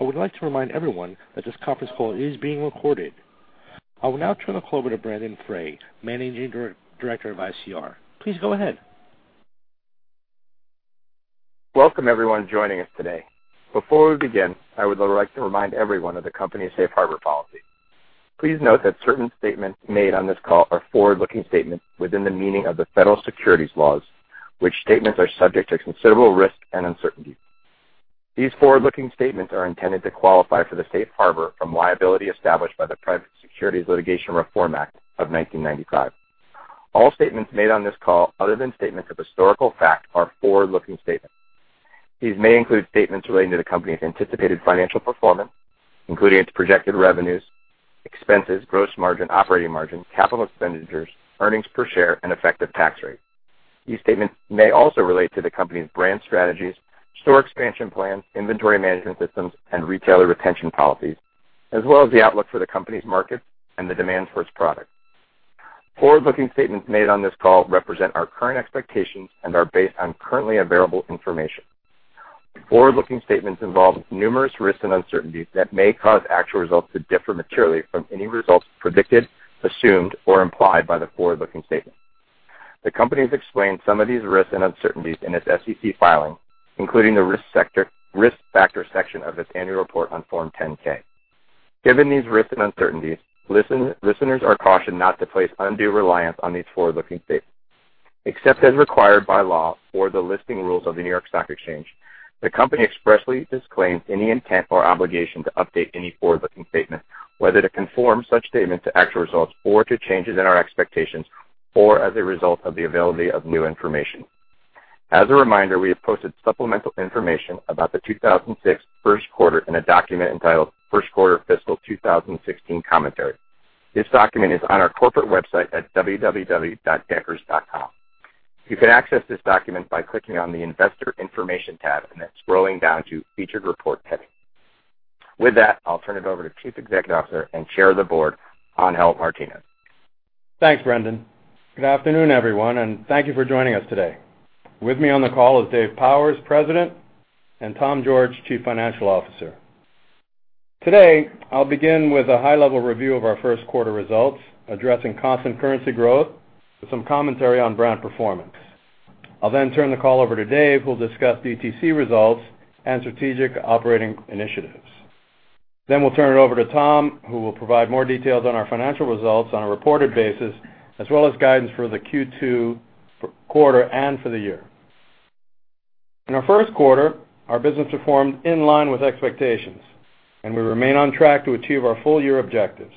I would like to remind everyone that this conference call is being recorded. I will now turn the call over to Brendon Frey, Managing Director of ICR. Please go ahead. Welcome, everyone joining us today. Before we begin, I would like to remind everyone of the company's safe harbor policy. Please note that certain statements made on this call are forward-looking statements within the meaning of the federal securities laws, which statements are subject to considerable risk and uncertainty. These forward-looking statements are intended to qualify for the safe harbor from liability established by the Private Securities Litigation Reform Act of 1995. All statements made on this call, other than statements of historical fact, are forward-looking statements. These may include statements relating to the company's anticipated financial performance, including its projected revenues, expenses, gross margin, operating margin, capital expenditures, earnings per share, and effective tax rate. These statements may also relate to the company's brand strategies, store expansion plans, inventory management systems, and retailer retention policies, as well as the outlook for the company's markets and the demand for its product. Forward-looking statements made on this call represent our current expectations and are based on currently available information. Forward-looking statements involve numerous risks and uncertainties that may cause actual results to differ materially from any results predicted, assumed, or implied by the forward-looking statements. The company has explained some of these risks and uncertainties in its SEC filing, including the risk factor section of its annual report on Form 10-K. Given these risks and uncertainties, listeners are cautioned not to place undue reliance on these forward-looking statements. Except as required by law or the listing rules of the New York Stock Exchange, the company expressly disclaims any intent or obligation to update any forward-looking statement, whether to conform such statements to actual results or to changes in our expectations, or as a result of the availability of new information. As a reminder, we have posted supplemental information about the 2006 first quarter in a document entitled First Quarter Fiscal 2016 Commentary. This document is on our corporate website at www.deckers.com. You can access this document by clicking on the Investor Information tab and then scrolling down to Featured Report heading. With that, I'll turn it over to Chief Executive Officer and Chair of the Board, Angel Martinez. Thanks, Brendan. Good afternoon, everyone, and thank you for joining us today. With me on the call is Dave Powers, President, and Tom George, Chief Financial Officer. Today, I'll begin with a high-level review of our first quarter results, addressing constant currency growth with some commentary on brand performance. I'll turn the call over to Dave, who'll discuss DTC results and strategic operating initiatives. We'll turn it over to Tom, who will provide more details on our financial results on a reported basis, as well as guidance for the Q2 quarter and for the year. In our first quarter, our business performed in line with expectations, and we remain on track to achieve our full-year objectives.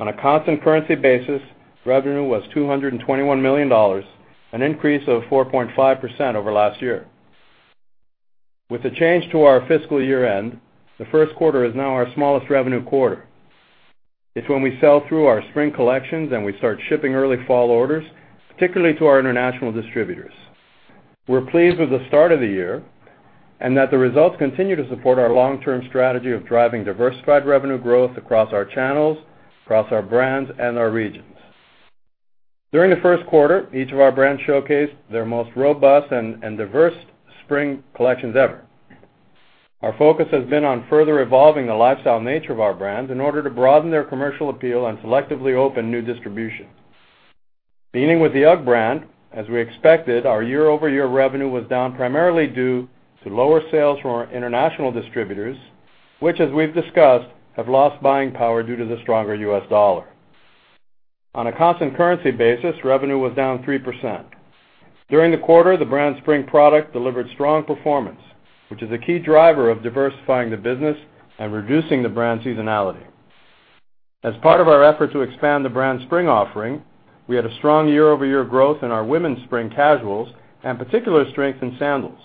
On a constant currency basis, revenue was $221 million, an increase of 4.5% over last year. With the change to our fiscal year-end, the first quarter is now our smallest revenue quarter. It's when we sell through our spring collections and we start shipping early fall orders, particularly to our international distributors. We're pleased with the start of the year and that the results continue to support our long-term strategy of driving diversified revenue growth across our channels, across our brands, and our regions. During the first quarter, each of our brands showcased their most robust and diverse spring collections ever. Our focus has been on further evolving the lifestyle nature of our brands in order to broaden their commercial appeal and selectively open new distribution. Beginning with the UGG brand, as we expected, our year-over-year revenue was down primarily due to lower sales from our international distributors, which, as we've discussed, have lost buying power due to the stronger U.S. dollar. On a constant currency basis, revenue was down 3%. During the quarter, the brand spring product delivered strong performance, which is a key driver of diversifying the business and reducing the brand seasonality. As part of our effort to expand the brand spring offering, we had a strong year-over-year growth in our women's spring casuals and particular strength in sandals.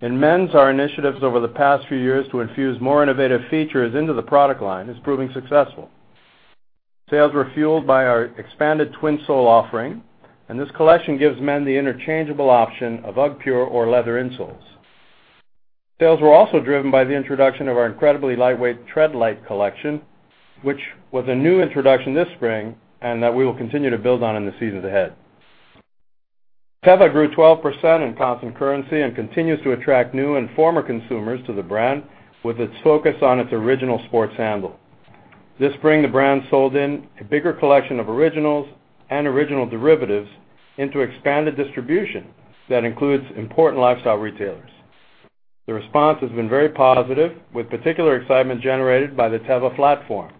In men's, our initiatives over the past few years to infuse more innovative features into the product line is proving successful. Sales were fueled by our expanded Twinsole offering, and this collection gives men the interchangeable option of UGGpure or leather insoles. Sales were also driven by the introduction of our incredibly lightweight Treadlite collection, which was a new introduction this spring and that we will continue to build on in the seasons ahead. Teva grew 12% in constant currency and continues to attract new and former consumers to the brand with its focus on its original sports sandal. This spring, the brand sold in a bigger collection of originals and original derivatives into expanded distribution that includes important lifestyle retailers. The response has been very positive, with particular excitement generated by the Teva Flatform.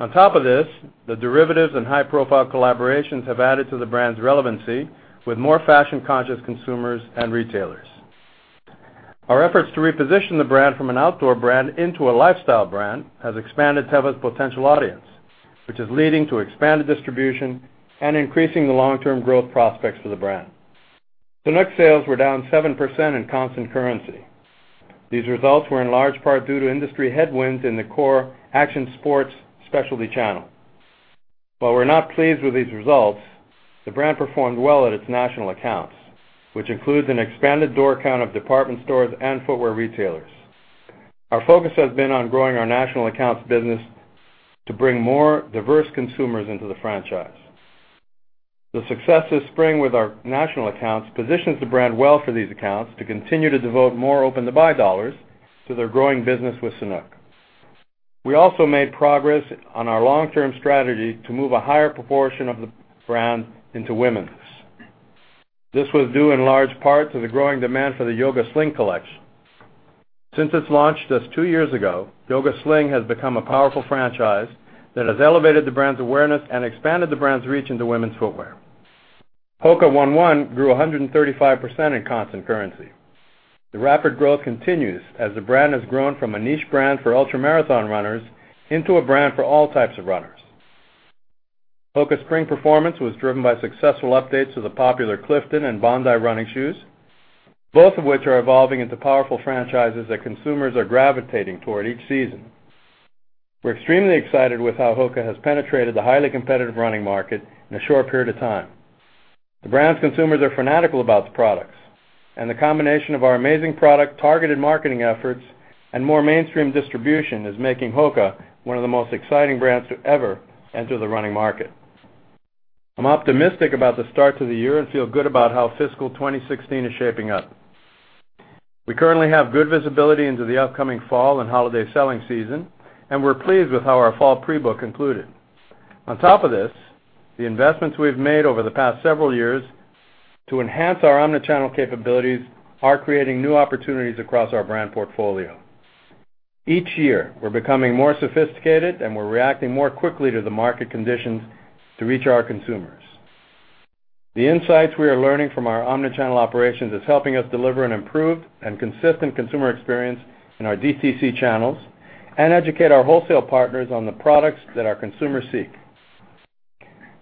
On top of this, the derivatives and high-profile collaborations have added to the brand's relevancy with more fashion-conscious consumers and retailers. Our efforts to reposition the brand from an outdoor brand into a lifestyle brand has expanded Teva's potential audience, which is leading to expanded distribution and increasing the long-term growth prospects for the brand. Sanuk sales were down 7% in constant currency. These results were in large part due to industry headwinds in the core action sports specialty channel. While we're not pleased with these results, the brand performed well at its national accounts, which includes an expanded door count of department stores and footwear retailers. Our focus has been on growing our national accounts business to bring more diverse consumers into the franchise. The success this spring with our national accounts positions the brand well for these accounts to continue to devote more open-to-buy dollars to their growing business with Sanuk. We also made progress on our long-term strategy to move a higher proportion of the brand into womens'. This was due in large part to the growing demand for the Yoga Sling collection. Since its launch just two years ago, Yoga Sling has become a powerful franchise that has elevated the brand's awareness and expanded the brand's reach into women's footwear. HOKA ONE ONE grew 135% in constant currency. The rapid growth continues as the brand has grown from a niche brand for ultra-marathon runners into a brand for all types of runners. HOKA's spring performance was driven by successful updates to the popular Clifton and Bondi running shoes, both of which are evolving into powerful franchises that consumers are gravitating toward each season. We're extremely excited with how HOKA has penetrated the highly competitive running market in a short period of time. The brand's consumers are fanatical about the products. The combination of our amazing product, targeted marketing efforts, and more mainstream distribution is making HOKA one of the most exciting brands to ever enter the running market. I'm optimistic about the start to the year and feel good about how fiscal 2016 is shaping up. We currently have good visibility into the upcoming fall and holiday selling season. We're pleased with how our fall pre-book concluded. On top of this, the investments we've made over the past several years to enhance our omni-channel capabilities are creating new opportunities across our brand portfolio. Each year, we're becoming more sophisticated. We're reacting more quickly to the market conditions to reach our consumers. The insights we are learning from our omni-channel operations is helping us deliver an improved and consistent consumer experience in our DTC channels and educate our wholesale partners on the products that our consumers seek.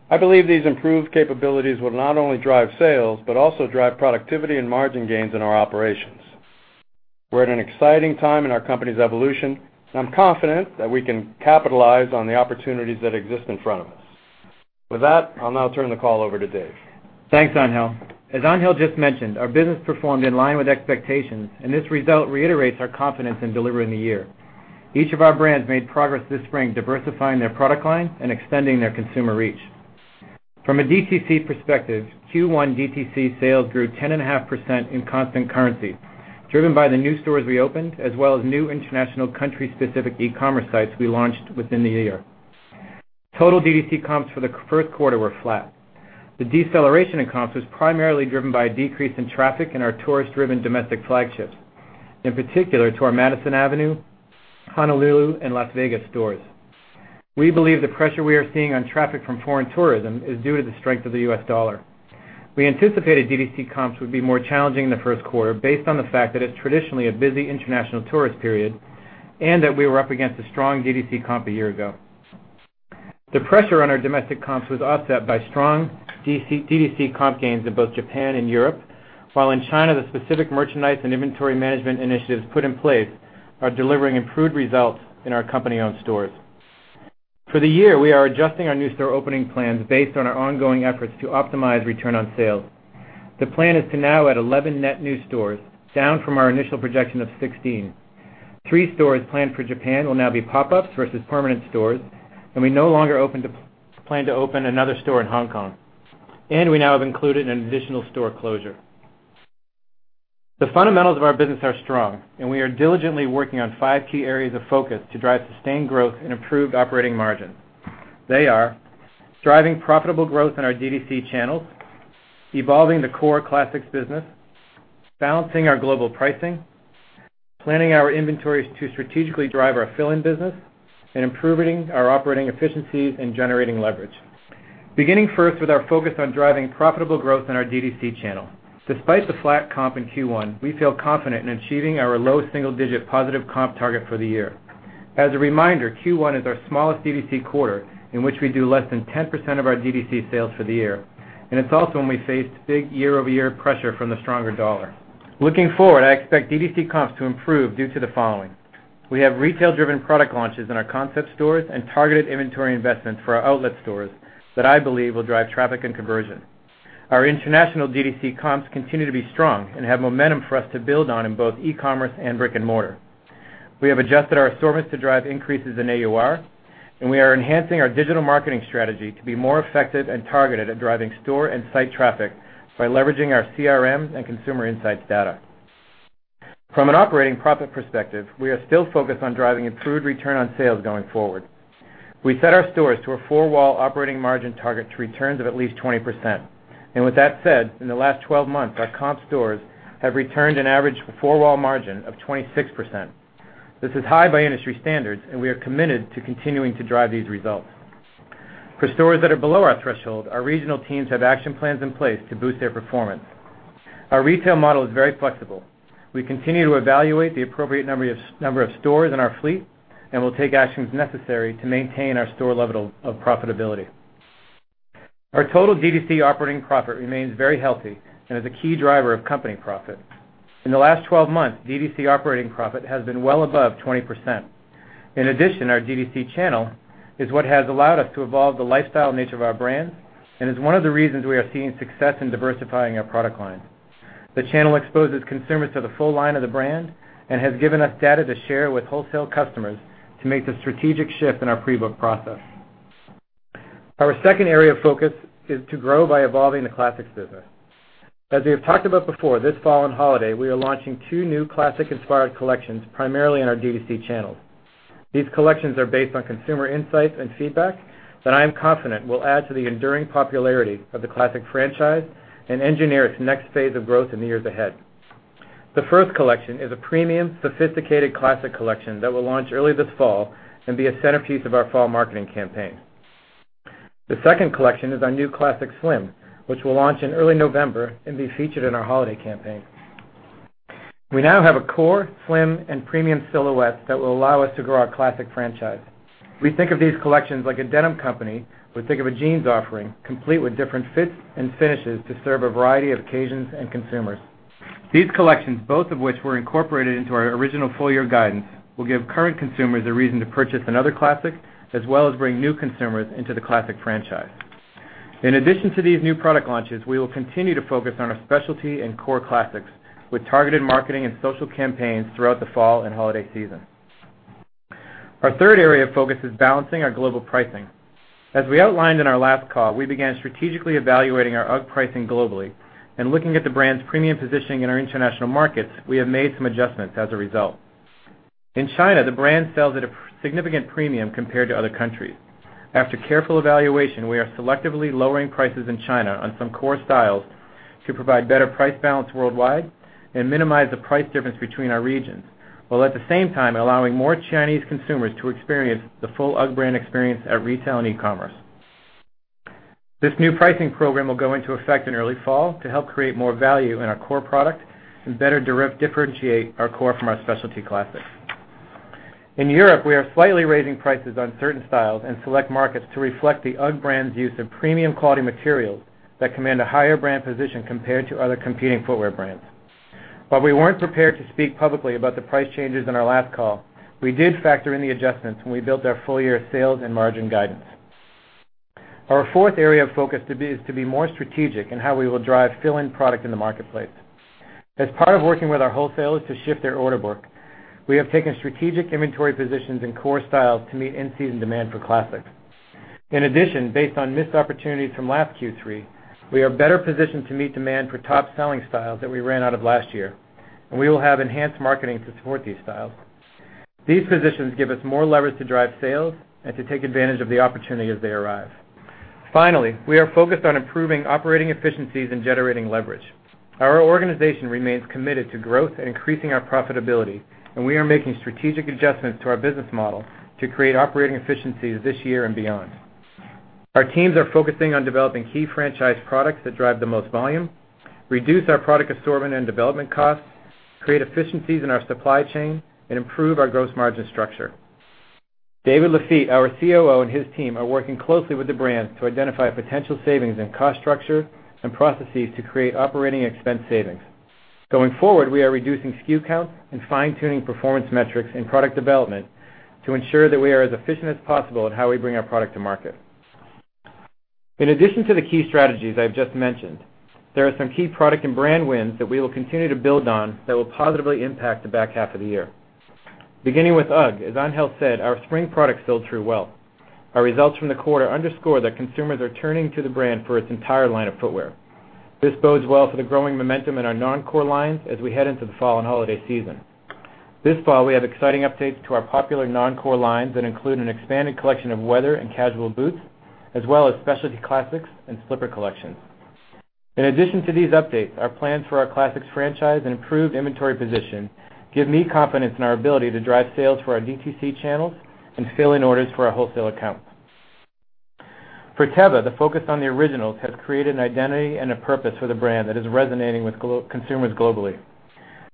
I believe these improved capabilities will not only drive sales but also drive productivity and margin gains in our operations. We're at an exciting time in our company's evolution. I'm confident that we can capitalize on the opportunities that exist in front of us. With that, I'll now turn the call over to Dave. Thanks, Angel. As Angel just mentioned, our business performed in line with expectations. This result reiterates our confidence in delivering the year. Each of our brands made progress this spring, diversifying their product lines and extending their consumer reach. From a DTC perspective, Q1 DTC sales grew 10.5% in constant currency, driven by the new stores we opened, as well as new international country-specific e-commerce sites we launched within the year. Total DTC comps for the first quarter were flat. The deceleration in comps was primarily driven by a decrease in traffic in our tourist-driven domestic flagships, in particular to our Madison Avenue, Honolulu, and Las Vegas stores. We believe the pressure we are seeing on traffic from foreign tourism is due to the strength of the U.S. dollar. We anticipated DTC comps would be more challenging in the first quarter based on the fact that it's traditionally a busy international tourist period and that we were up against a strong DTC comp a year ago. The pressure on our domestic comps was offset by strong DTC comp gains in both Japan and Europe, while in China, the specific merchandise and inventory management initiatives put in place are delivering improved results in our company-owned stores. For the year, we are adjusting our new store opening plans based on our ongoing efforts to optimize return on sales. The plan is to now add 11 net new stores, down from our initial projection of 16. Three stores planned for Japan will now be pop-ups versus permanent stores. We no longer plan to open another store in Hong Kong. We now have included an additional store closure. The fundamentals of our business are strong. We are diligently working on five key areas of focus to drive sustained growth and improved operating margin. They are: driving profitable growth in our DTC channels, evolving the core classics business, balancing our global pricing, planning our inventories to strategically drive our fill-in business, and improving our operating efficiencies and generating leverage. First with our focus on driving profitable growth in the DTC channel. Despite the flat comp in Q1, we feel confident in achieving our low single-digit positive comp target for the year. As a reminder, Q1 is our smallest DTC quarter, in which we do less than 10% of our DTC sales for the year. It's also when we faced big year-over-year pressure from the stronger dollar. Looking forward, I expect DTC comps to improve due to the following. We have retail-driven product launches in our concept stores and targeted inventory investments for our outlet stores that I believe will drive traffic and conversion. Our international DTC comps continue to be strong and have momentum for us to build on in both e-commerce and brick and mortar. We have adjusted our assortments to drive increases in AUR. We are enhancing our digital marketing strategy to be more effective and targeted at driving store and site traffic by leveraging our CRM and consumer insights data. From an operating profit perspective, we are still focused on driving improved return on sales going forward. We set our stores to a four-wall operating margin target to returns of at least 20%. With that said, in the last 12 months, our comp stores have returned an average four-wall margin of 26%. This is high by industry standards, we are committed to continuing to drive these results. For stores that are below our threshold, our regional teams have action plans in place to boost their performance. Our retail model is very flexible. We continue to evaluate the appropriate number of stores in our fleet and will take actions necessary to maintain our store level of profitability. Our total DTC operating profit remains very healthy and is a key driver of company profit. In the last 12 months, DTC operating profit has been well above 20%. In addition, our DTC channel is what has allowed us to evolve the lifestyle nature of our brands and is one of the reasons we are seeing success in diversifying our product lines. The channel exposes consumers to the full line of the brand and has given us data to share with wholesale customers to make the strategic shift in our pre-book process. Our second area of focus is to grow by evolving the classics business. As we have talked about before, this fall and holiday, we are launching two new classic-inspired collections primarily in our DTC channels. These collections are based on consumer insights and feedback that I am confident will add to the enduring popularity of the classic franchise and engineer its next phase of growth in the years ahead. The first collection is a premium, sophisticated classic collection that will launch early this fall and be a centerpiece of our fall marketing campaign. The second collection is our new Classic Slim, which will launch in early November and be featured in our holiday campaign. We now have a core, slim, and premium silhouette that will allow us to grow our classic franchise. We think of these collections like a denim company would think of a jeans offering, complete with different fits and finishes to serve a variety of occasions and consumers. These collections, both of which were incorporated into our original full-year guidance, will give current consumers a reason to purchase another classic, as well as bring new consumers into the classic franchise. In addition to these new product launches, we will continue to focus on our specialty and core classics with targeted marketing and social campaigns throughout the fall and holiday season. Our third area of focus is balancing our global pricing. As we outlined in our last call, we began strategically evaluating our UGG pricing globally and looking at the brand's premium positioning in our international markets, we have made some adjustments as a result. In China, the brand sells at a significant premium compared to other countries. After careful evaluation, we are selectively lowering prices in China on some core styles to provide better price balance worldwide and minimize the price difference between our regions, while at the same time allowing more Chinese consumers to experience the full UGG brand experience at retail and e-commerce. This new pricing program will go into effect in early fall to help create more value in our core product and better differentiate our core from our specialty classics. In Europe, we are slightly raising prices on certain styles in select markets to reflect the UGG brand's use of premium quality materials that command a higher brand position compared to other competing footwear brands. While we weren't prepared to speak publicly about the price changes in our last call, we did factor in the adjustments when we built our full-year sales and margin guidance. Our fourth area of focus is to be more strategic in how we will drive fill-in product in the marketplace. As part of working with our wholesalers to shift their order book, we have taken strategic inventory positions in core styles to meet in-season demand for classics. In addition, based on missed opportunities from last Q3, we are better positioned to meet demand for top-selling styles that we ran out of last year, and we will have enhanced marketing to support these styles. These positions give us more leverage to drive sales and to take advantage of the opportunity as they arrive. Finally, we are focused on improving operating efficiencies and generating leverage. Our organization remains committed to growth and increasing our profitability, and we are making strategic adjustments to our business model to create operating efficiencies this year and beyond. Our teams are focusing on developing key franchise products that drive the most volume, reduce our product assortment and development costs, create efficiencies in our supply chain, and improve our gross margin structure. David Lafitte, our COO, and his team are working closely with the brands to identify potential savings in cost structure and processes to create operating expense savings. Going forward, we are reducing SKU count and fine-tuning performance metrics in product development to ensure that we are as efficient as possible at how we bring our product to market. In addition to the key strategies I've just mentioned, there are some key product and brand wins that we will continue to build on that will positively impact the back half of the year. Beginning with UGG, as Angel said, our spring products sold through well. Our results from the quarter underscore that consumers are turning to the brand for its entire line of footwear. This bodes well for the growing momentum in our non-core lines as we head into the fall and holiday season. This fall, we have exciting updates to our popular non-core lines that include an expanded collection of weather and casual boots, as well as specialty classics and slipper collections. In addition to these updates, our plans for our classics franchise and improved inventory position give me confidence in our ability to drive sales for our D2C channels and fill in orders for our wholesale accounts. For Teva, the focus on the originals has created an identity and a purpose for the brand that is resonating with consumers globally.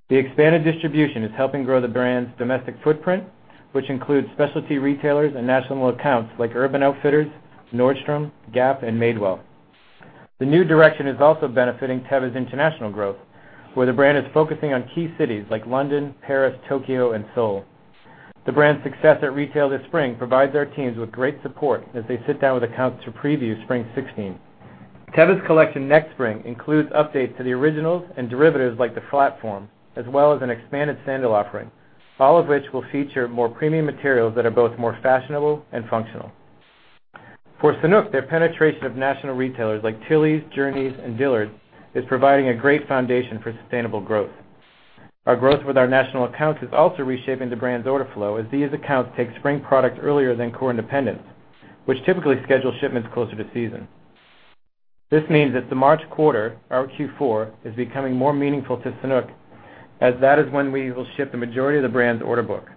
The expanded distribution is helping grow the brand's domestic footprint, which includes specialty retailers and national accounts like Urban Outfitters, Nordstrom, Gap, and Madewell. The new direction is also benefiting Teva's international growth, where the brand is focusing on key cities like London, Paris, Tokyo, and Seoul. The brand's success at retail this spring provides our teams with great support as they sit down with accounts to preview spring 2016. Teva's collection next spring includes updates to the originals and derivatives like the Flatform, as well as an expanded sandal offering, all of which will feature more premium materials that are both more fashionable and functional. For Sanuk, their penetration of national retailers like Tillys, Journeys, and Dillard's is providing a great foundation for sustainable growth. Our growth with our national accounts is also reshaping the brand's order flow as these accounts take spring product earlier than core independents, which typically schedule shipments closer to season. This means that the March quarter, our Q4, is becoming more meaningful to Sanuk, as that is when we will ship the majority of the brand's order book.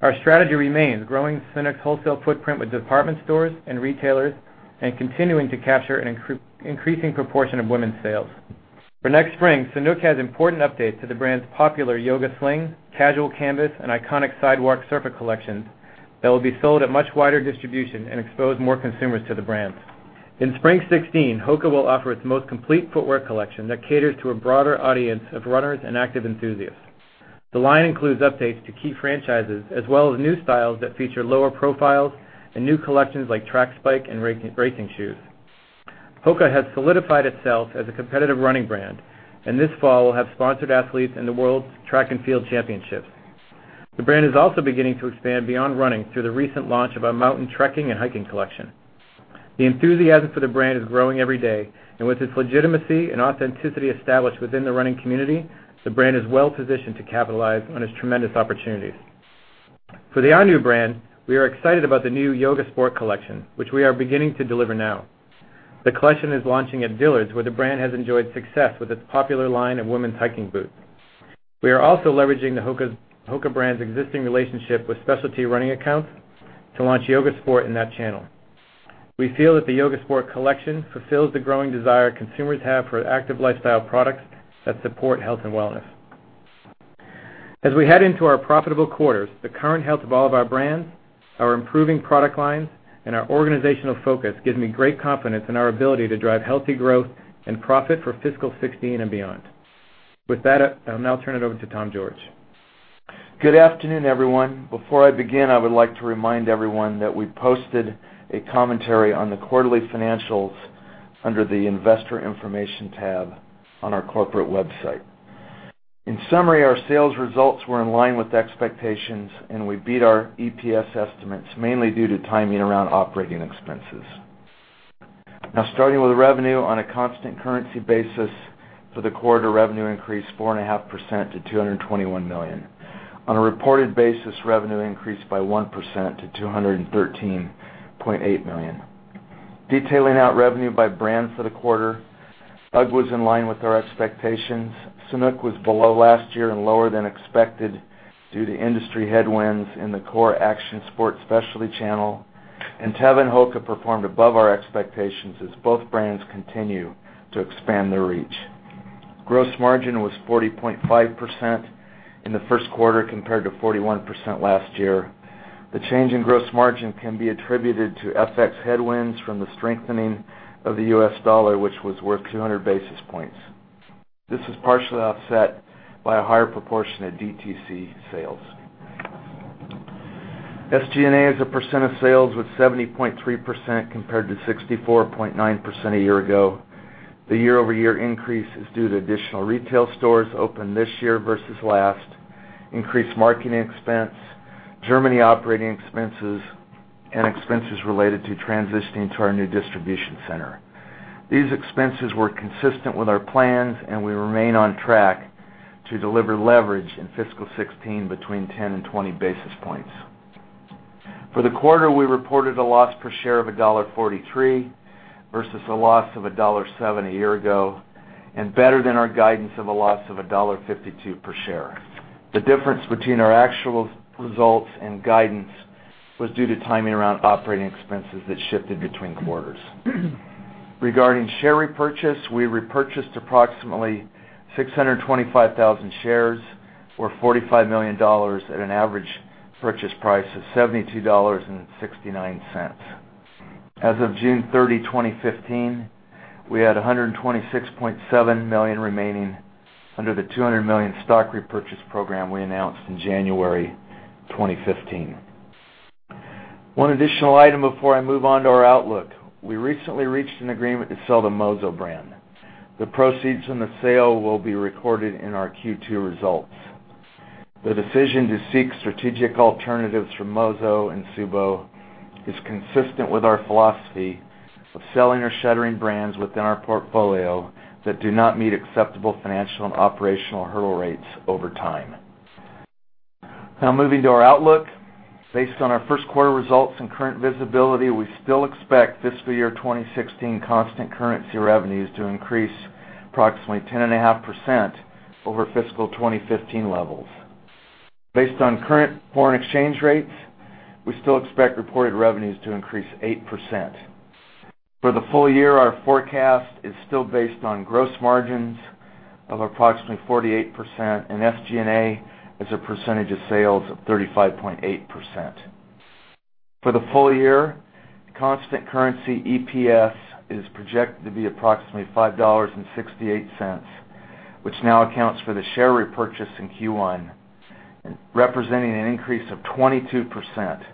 Our strategy remains growing Sanuk's wholesale footprint with department stores and retailers and continuing to capture an increasing proportion of women's sales. For next spring, Sanuk has important updates to the brand's popular Yoga Sling, Casual Canvas, and iconic Sidewalk Surfer collection that will be sold at much wider distribution and expose more consumers to the brands. In spring 2016, HOKA will offer its most complete footwear collection that caters to a broader audience of runners and active enthusiasts. The line includes updates to key franchises, as well as new styles that feature lower profiles and new collections like track spike and racing shoes. HOKA has solidified itself as a competitive running brand, and this fall will have sponsored athletes in the world's track and field championships. The brand is also beginning to expand beyond running through the recent launch of a mountain trekking and hiking collection. The enthusiasm for the brand is growing every day, and with its legitimacy and authenticity established within the running community, the brand is well-positioned to capitalize on its tremendous opportunities. For the Ahnu brand, we are excited about the new Yoga Sport collection, which we are beginning to deliver now. The collection is launching at Dillard's, where the brand has enjoyed success with its popular line of women's hiking boots. We are also leveraging the HOKA brand's existing relationship with specialty running accounts to launch Yoga Sport in that channel. We feel that the Yoga Sport collection fulfills the growing desire consumers have for active lifestyle products that support health and wellness. As we head into our profitable quarters, the current health of all of our brands, our improving product lines, and our organizational focus gives me great confidence in our ability to drive healthy growth and profit for fiscal 2016 and beyond. With that, I'll now turn it over to Tom George. Good afternoon, everyone. Before I begin, I would like to remind everyone that we posted a commentary on the quarterly financials under the investor information tab on our corporate website. In summary, our sales results were in line with expectations, and we beat our EPS estimates, mainly due to timing around operating expenses. Starting with revenue. On a constant currency basis for the quarter, revenue increased 4.5% to $221 million. On a reported basis, revenue increased by 1% to $213.8 million. Detailing out revenue by brand for the quarter, UGG was in line with our expectations. Sanuk was below last year and lower than expected due to industry headwinds in the core action sports specialty channel. Teva and HOKA performed above our expectations as both brands continue to expand their reach. Gross margin was 40.5% in the first quarter, compared to 41% last year. The change in gross margin can be attributed to FX headwinds from the strengthening of the US dollar, which was worth 200 basis points. This was partially offset by a higher proportion of DTC sales. SG&A as a percent of sales was 70.3%, compared to 64.9% a year ago. The year-over-year increase is due to additional retail stores opened this year versus last, increased marketing expense, Germany operating expenses, and expenses related to transitioning to our new distribution center. These expenses were consistent with our plans, and we remain on track to deliver leverage in fiscal 2016 between 10 and 20 basis points. For the quarter, we reported a loss per share of $1.43 versus a loss of $1.07 a year ago, and better than our guidance of a loss of $1.52 per share. The difference between our actual results and guidance was due to timing around operating expenses that shifted between quarters. Regarding share repurchase, we repurchased approximately 625,000 shares or $45 million at an average purchase price of $72.69. As of June 30, 2015, we had $126.7 million remaining under the $200 million stock repurchase program we announced in January 2015. One additional item before I move on to our outlook. We recently reached an agreement to sell the Mozo brand. The proceeds from the sale will be recorded in our Q2 results. The decision to seek strategic alternatives for Mozo and TSUBO is consistent with our philosophy of selling or shuttering brands within our portfolio that do not meet acceptable financial and operational hurdle rates over time. Moving to our outlook. Based on our first quarter results and current visibility, we still expect fiscal year 2016 constant currency revenues to increase approximately 10.5% over fiscal 2015 levels. Based on current foreign exchange rates, we still expect reported revenues to increase 8%. For the full year, our forecast is still based on gross margins of approximately 48% and SG&A as a percentage of sales of 35.8%. For the full year, constant currency EPS is projected to be approximately $5.68, which now accounts for the share repurchase in Q1, representing an increase of 22%.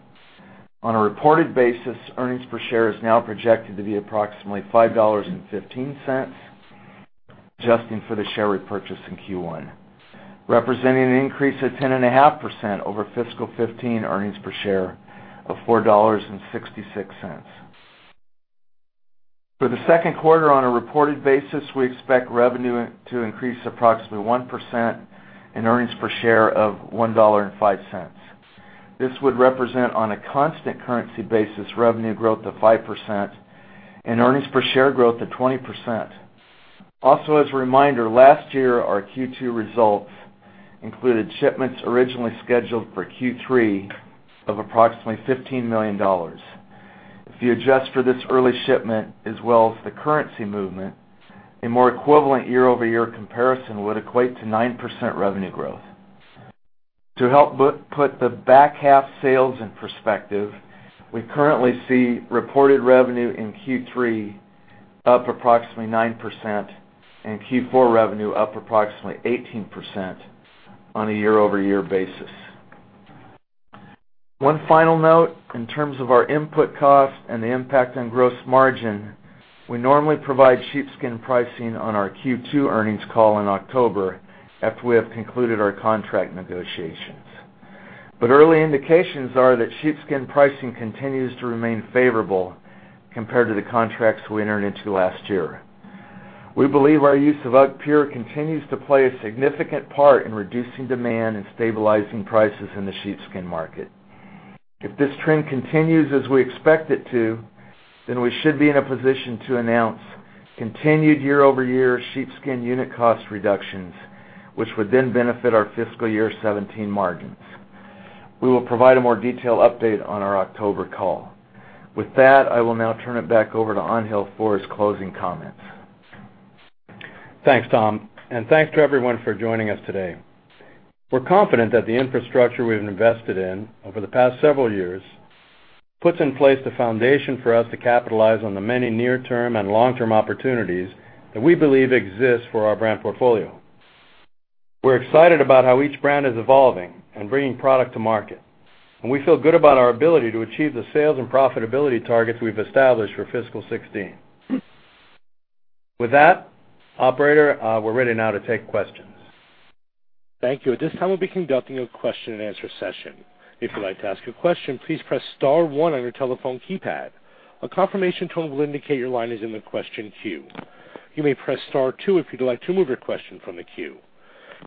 On a reported basis, earnings per share is now projected to be approximately $5.15, adjusting for the share repurchase in Q1, representing an increase of 10.5% over fiscal 2015 earnings per share of $4.66. For the second quarter on a reported basis, we expect revenue to increase approximately 1% and earnings per share of $1.05. This would represent on a constant currency basis revenue growth of 5% and earnings per share growth of 20%. As a reminder, last year our Q2 results included shipments originally scheduled for Q3 of approximately $15 million. If you adjust for this early shipment as well as the currency movement, a more equivalent year-over-year comparison would equate to 9% revenue growth. To help put the back half sales in perspective, we currently see reported revenue in Q3 up approximately 9%, and Q4 revenue up approximately 18% on a year-over-year basis. One final note, in terms of our input costs and the impact on gross margin, we normally provide sheepskin pricing on our Q2 earnings call in October after we have concluded our contract negotiations. Early indications are that sheepskin pricing continues to remain favorable compared to the contracts we entered into last year. We believe our use of UGGpure continues to play a significant part in reducing demand and stabilizing prices in the sheepskin market. If this trend continues as we expect it to, we should be in a position to announce continued year-over-year sheepskin unit cost reductions, which would then benefit our fiscal year 2017 margins. We will provide a more detailed update on our October call. With that, I will now turn it back over to Angel for his closing comments. Thanks, Tom, thanks to everyone for joining us today. We're confident that the infrastructure we've invested in over the past several years puts in place the foundation for us to capitalize on the many near-term and long-term opportunities that we believe exist for our brand portfolio. We're excited about how each brand is evolving and bringing product to market, we feel good about our ability to achieve the sales and profitability targets we've established for fiscal 2016. With that, operator, we're ready now to take questions. Thank you. At this time, we'll be conducting a question-and-answer session. If you'd like to ask a question, please press *1 on your telephone keypad. A confirmation tone will indicate your line is in the question queue. You may press *2 if you'd like to remove your question from the queue.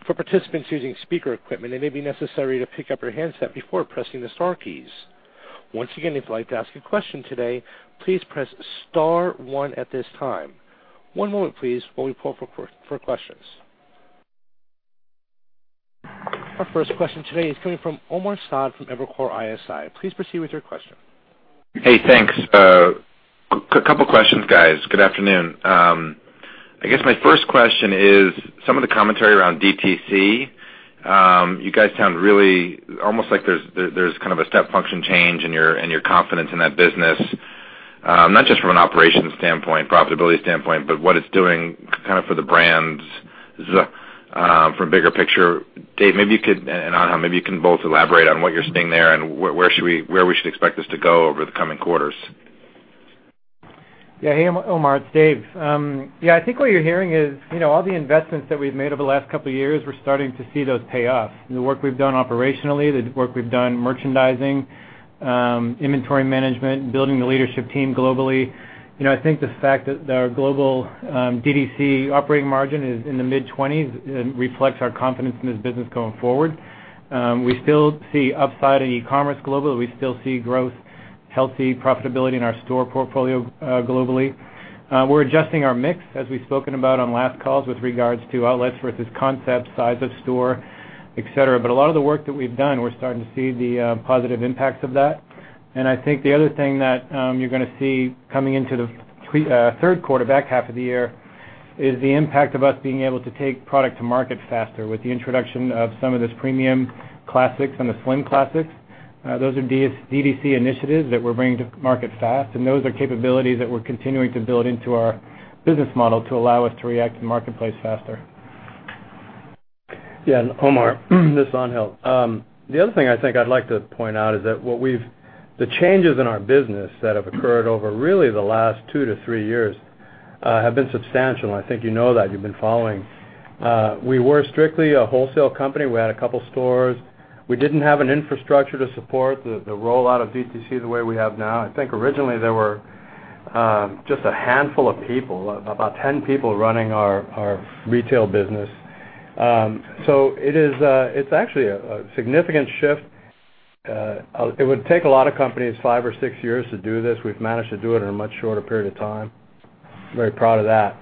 For participants using speaker equipment, it may be necessary to pick up your handset before pressing the star keys. Once again, if you'd like to ask a question today, please press *1 at this time. One moment please while we pull for questions. Our first question today is coming from Omar Saad from Evercore ISI. Please proceed with your question. Hey, thanks. A couple questions, guys. Good afternoon. I guess my first question is some of the commentary around DTC. You guys sound really almost like there's kind of a step function change in your confidence in that business. Not just from an operations standpoint, profitability standpoint, but what it's doing for the brands from a bigger picture. Dave, maybe you could, Angel, maybe you can both elaborate on what you're seeing there and where we should expect this to go over the coming quarters. Hey, Omar, it's Dave. Yeah, I think what you're hearing is all the investments that we've made over the last couple of years, we're starting to see those pay off. The work we've done operationally, the work we've done merchandising, inventory management, and building the leadership team globally. I think the fact that our global DTC operating margin is in the mid-20s reflects our confidence in this business going forward. We still see upside in e-commerce globally. We still see growth, healthy profitability in our store portfolio globally. We're adjusting our mix, as we've spoken about on last calls with regards to outlets versus concept, size of store, et cetera. A lot of the work that we've done, we're starting to see the positive impacts of that. I think the other thing that you're going to see coming into the third quarter, back half of the year, is the impact of us being able to take product to market faster with the introduction of some of this premium classics and the Slim Classics. Those are DTC initiatives that we're bringing to market fast, those are capabilities that we're continuing to build into our business model to allow us to react to the marketplace faster. Omar. This is Angel. The other thing I think I'd like to point out is that the changes in our business that have occurred over really the last two to three years have been substantial. I think you know that. You've been following. We were strictly a wholesale company. We had a couple stores. We didn't have an infrastructure to support the rollout of DTC the way we have now. I think originally there were just a handful of people, about 10 people, running our retail business. It's actually a significant shift. It would take a lot of companies five or six years to do this. We've managed to do it in a much shorter period of time. Very proud of that.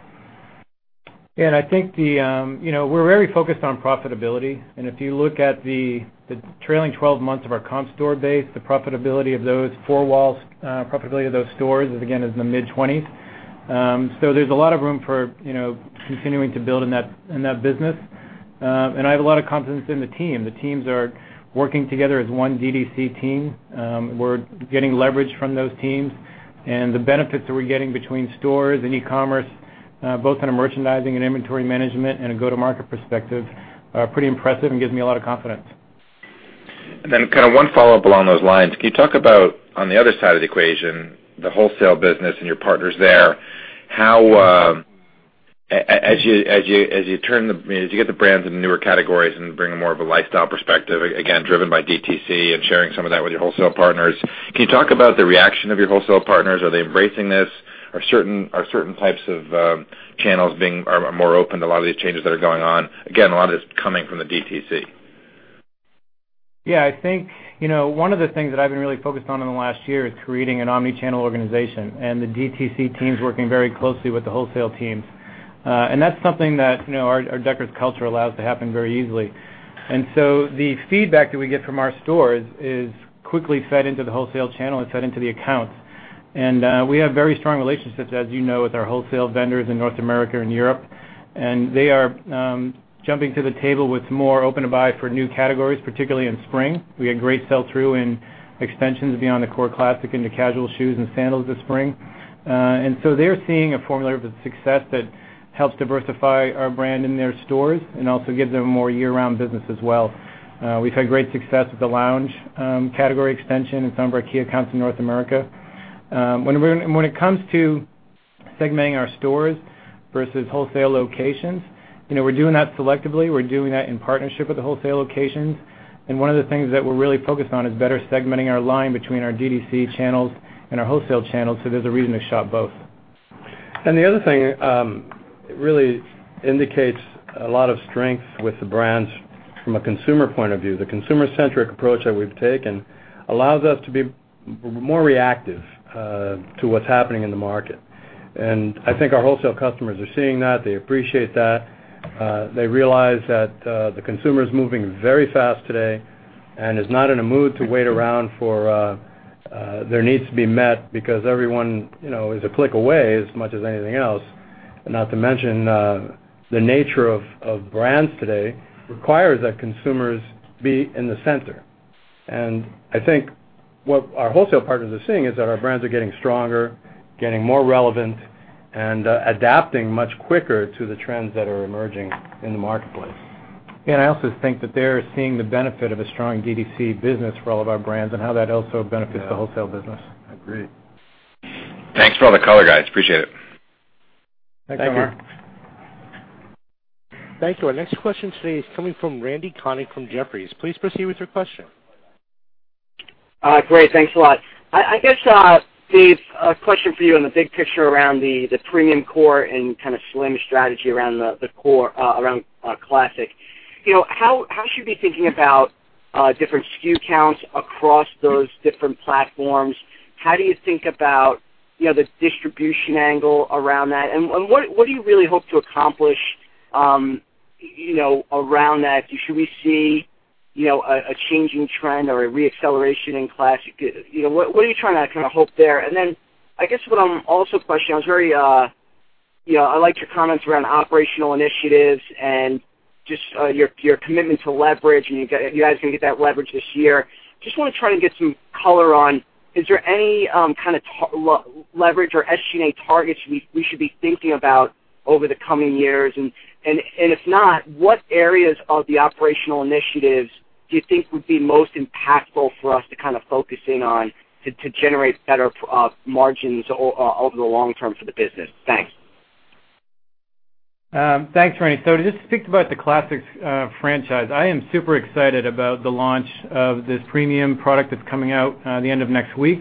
I think we're very focused on profitability. If you look at the trailing 12 months of our comp store base, the profitability of those four walls, profitability of those stores is again in the mid-20s. There's a lot of room for continuing to build in that business. I have a lot of confidence in the team. The teams are working together as one DTC team. We're getting leverage from those teams. The benefits that we're getting between stores and e-commerce both on a merchandising and inventory management and a go-to-market perspective are pretty impressive and gives me a lot of confidence. One follow-up along those lines. Can you talk about, on the other side of the equation, the wholesale business and your partners there. As you get the brands in newer categories and bring more of a lifestyle perspective, again, driven by DTC and sharing some of that with your wholesale partners, can you talk about the reaction of your wholesale partners? Are they embracing this? Are certain types of channels more open to a lot of these changes that are going on? Again, a lot of this coming from the DTC. I think one of the things that I've been really focused on in the last year is creating an omni-channel organization and the DTC teams working very closely with the wholesale teams. That's something that our Deckers culture allows to happen very easily. The feedback that we get from our stores is quickly fed into the wholesale channel and fed into the accounts. We have very strong relationships, as you know, with our wholesale vendors in North America and Europe. They are jumping to the table with more open-to-buy for new categories, particularly in spring. We had great sell-through in extensions beyond the core classic into casual shoes and sandals this spring. They're seeing a formula for success that helps diversify our brand in their stores and also gives them more year-round business as well. We've had great success with the lounge category extension in some of our key accounts in North America. When it comes to segmenting our stores versus wholesale locations, we're doing that selectively. We're doing that in partnership with the wholesale locations. One of the things that we're really focused on is better segmenting our line between our DTC channels and our wholesale channels, so there's a reason to shop both. The other thing, it really indicates a lot of strength with the brands from a consumer point of view. The consumer-centric approach that we've taken allows us to be more reactive to what's happening in the market. I think our wholesale customers are seeing that. They appreciate that. They realize that the consumer is moving very fast today and is not in a mood to wait around for their needs to be met because everyone is a click away as much as anything else. Not to mention, the nature of brands today requires that consumers be in the center. I think what our wholesale partners are seeing is that our brands are getting stronger, getting more relevant, and adapting much quicker to the trends that are emerging in the marketplace. Yeah, I also think that they're seeing the benefit of a strong DTC business for all of our brands and how that also benefits the wholesale business. Yeah. Agreed. Thanks for all the color, guys. Appreciate it. Thank you. Thank you, Mark. Thank you. Our next question today is coming from Randal Konik from Jefferies. Please proceed with your question. Great. Thanks a lot. I guess, Dave, a question for you on the big picture around the premium core and kind of Slim strategy around the Classic. How should we be thinking about different SKU counts across those different platforms? How do you think about the distribution angle around that? What do you really hope to accomplish around that? Should we see a changing trend or a re-acceleration in Classic? What are you trying to kind of hope there? I guess what I'm also questioning, I liked your comments around operational initiatives and just your commitment to leverage, and you guys are going to get that leverage this year. Just want to try and get some color on, is there any kind of leverage or SG&A targets we should be thinking about over the coming years? If not, what areas of the operational initiatives do you think would be most impactful for us to kind of focus in on to generate better margins over the long term for the business? Thanks. To just speak about the classics franchise, I am super excited about the launch of this premium product that's coming out the end of next week,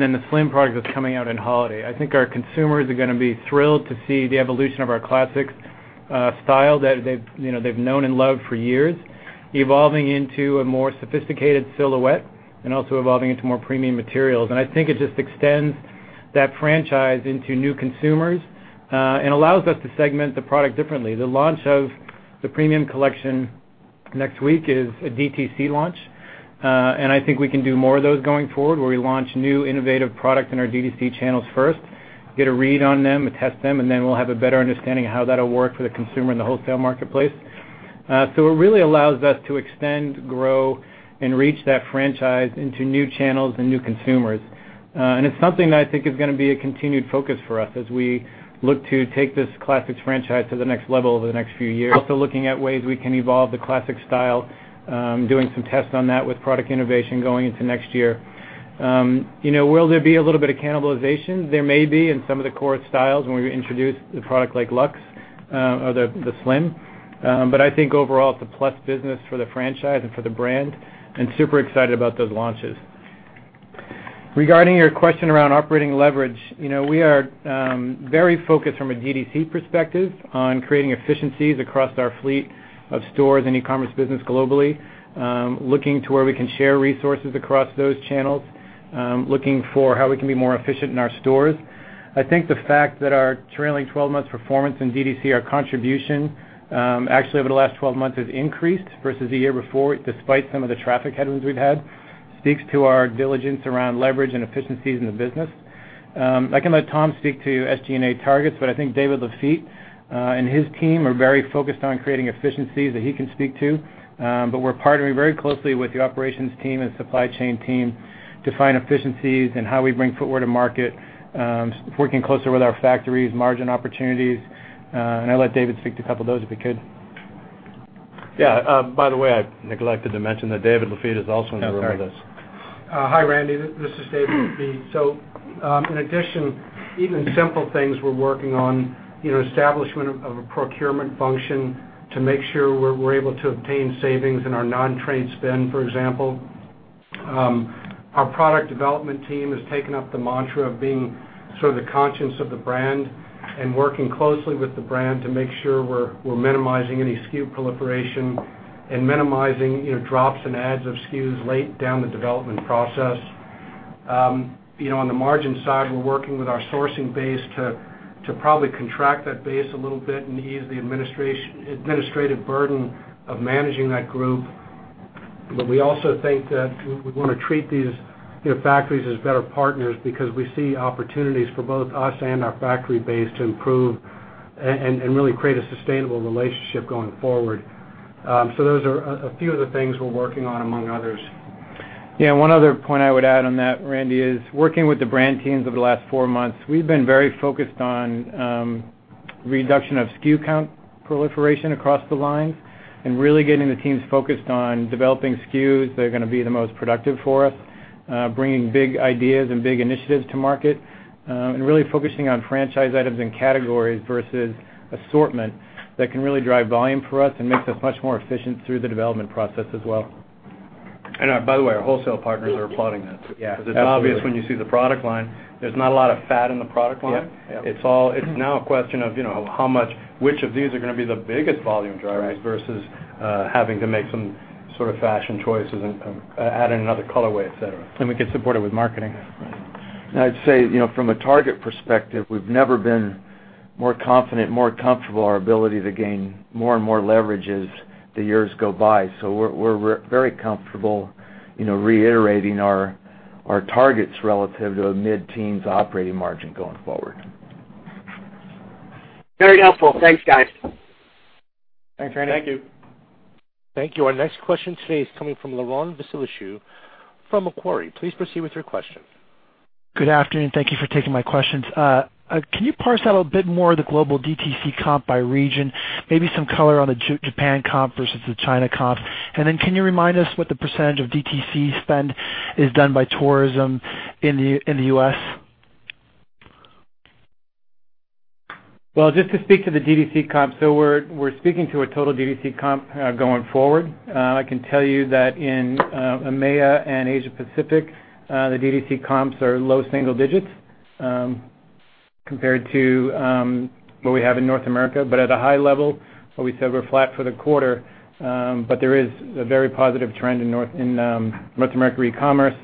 then the slim product that's coming out in holiday. I think our consumers are going to be thrilled to see the evolution of our classics style that they've known and loved for years, evolving into a more sophisticated silhouette and also evolving into more premium materials. I think it just extends that franchise into new consumers and allows us to segment the product differently. The launch of the premium collection next week is a DTC launch. I think we can do more of those going forward, where we launch new innovative product in our DTC channels first, get a read on them and test them, then we'll have a better understanding of how that'll work for the consumer in the wholesale marketplace. It really allows us to extend, grow, and reach that franchise into new channels and new consumers. It's something that I think is going to be a continued focus for us as we look to take this classics franchise to the next level over the next few years. Also looking at ways we can evolve the classic style, doing some tests on that with product innovation going into next year. Will there be a little bit of cannibalization? There may be in some of the core styles when we introduce a product like Luxe or the Slim. I think overall, it's a plus business for the franchise and for the brand, and super excited about those launches. Regarding your question around operating leverage, we are very focused from a DTC perspective on creating efficiencies across our fleet of stores and e-commerce business globally. Looking to where we can share resources across those channels, looking for how we can be more efficient in our stores. I think the fact that our trailing 12 months performance in DTC, our contribution actually over the last 12 months has increased versus the year before, despite some of the traffic headwinds we've had, speaks to our diligence around leverage and efficiencies in the business. I can let Tom speak to SG&A targets, but I think David Lafitte and his team are very focused on creating efficiencies that he can speak to. We're partnering very closely with the operations team and supply chain team to find efficiencies in how we bring footwear to market, working closer with our factories, margin opportunities. I'll let David speak to a couple of those, if he could. By the way, I neglected to mention that David Lafitte is also in the room with us. Sorry. Hi, Randal. This is David Lafitte. In addition, even simple things we're working on, establishment of a procurement function to make sure we're able to obtain savings in our non-trade spend, for example. Our product development team has taken up the mantra of being sort of the conscience of the brand and working closely with the brand to make sure we're minimizing any SKU proliferation and minimizing drops and adds of SKUs late down the development process. On the margin side, we're working with our sourcing base to probably contract that base a little bit and ease the administrative burden of managing that group. We also think that we want to treat these factories as better partners because we see opportunities for both us and our factory base to improve and really create a sustainable relationship going forward. Those are a few of the things we're working on, among others. Yeah. One other point I would add on that, Randy, is working with the brand teams over the last four months, we've been very focused on reduction of SKU count proliferation across the lines and really getting the teams focused on developing SKUs that are going to be the most productive for us, bringing big ideas and big initiatives to market, and really focusing on franchise items and categories versus assortment that can really drive volume for us and makes us much more efficient through the development process as well. By the way, our wholesale partners are applauding that too. Yeah, absolutely. It's obvious when you see the product line, there's not a lot of fat in the product line. Yeah. It's now a question of which of these are going to be the biggest volume drivers. Right versus having to make some sort of fashion choices and adding another colorway, et cetera. We get support it with marketing. Right. I'd say, from a target perspective, we've never been more confident, more comfortable our ability to gain more and more leverage as the years go by. We're very comfortable reiterating our targets relative to a mid-teens operating margin going forward. Very helpful. Thanks, guys. Thanks, Randy. Thank you. Thank you. Our next question today is coming from Laurent Vasilescu from Macquarie. Please proceed with your question. Good afternoon. Thank you for taking my questions. Can you parse out a bit more the global DTC comp by region, maybe some color on the Japan comp versus the China comp? Can you remind us what the % of DTC spend is done by tourism in the U.S.? Just to speak to the DTC comp, we're speaking to a total DTC comp going forward. I can tell you that in EMEA and Asia Pacific, the DTC comps are low single digits compared to what we have in North America. At a high level, what we said, we're flat for the quarter, there is a very positive trend in North American e-commerce,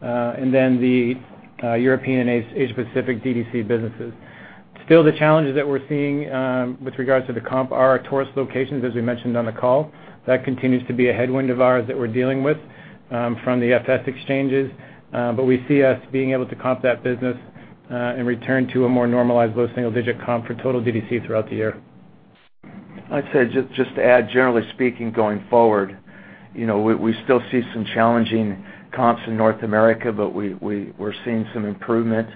the European and Asia Pacific DTC businesses. Still, the challenges that we're seeing with regards to the comp are our tourist locations, as we mentioned on the call. That continues to be a headwind of ours that we're dealing with from the FX exchanges. We see us being able to comp that business and return to a more normalized low single-digit comp for total DTC throughout the year. I'd say, just to add, generally speaking, going forward, we still see some challenging comps in North America, we're seeing some improvement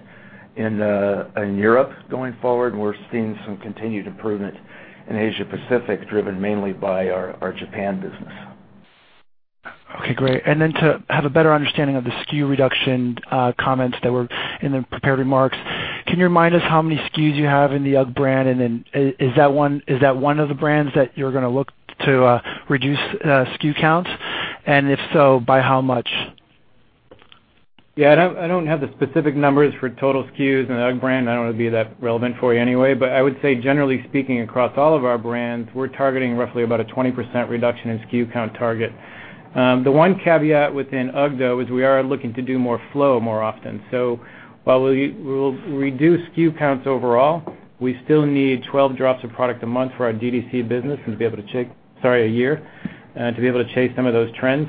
in Europe going forward. We're seeing some continued improvement in Asia Pacific, driven mainly by our Japan business. Okay, great. To have a better understanding of the SKU reduction comments that were in the prepared remarks, can you remind us how many SKUs you have in the UGG brand? Is that one of the brands that you're going to look to reduce SKU counts, and if so, by how much? I don't have the specific numbers for total SKUs in the UGG brand. I don't know it would be that relevant for you anyway. I would say, generally speaking, across all of our brands, we're targeting roughly about a 20% reduction in SKU count target. The one caveat within UGG, though, is we are looking to do more flow more often. While we will reduce SKU counts overall, we still need 12 drops of product a year for our DTC business, to be able to chase some of those trends.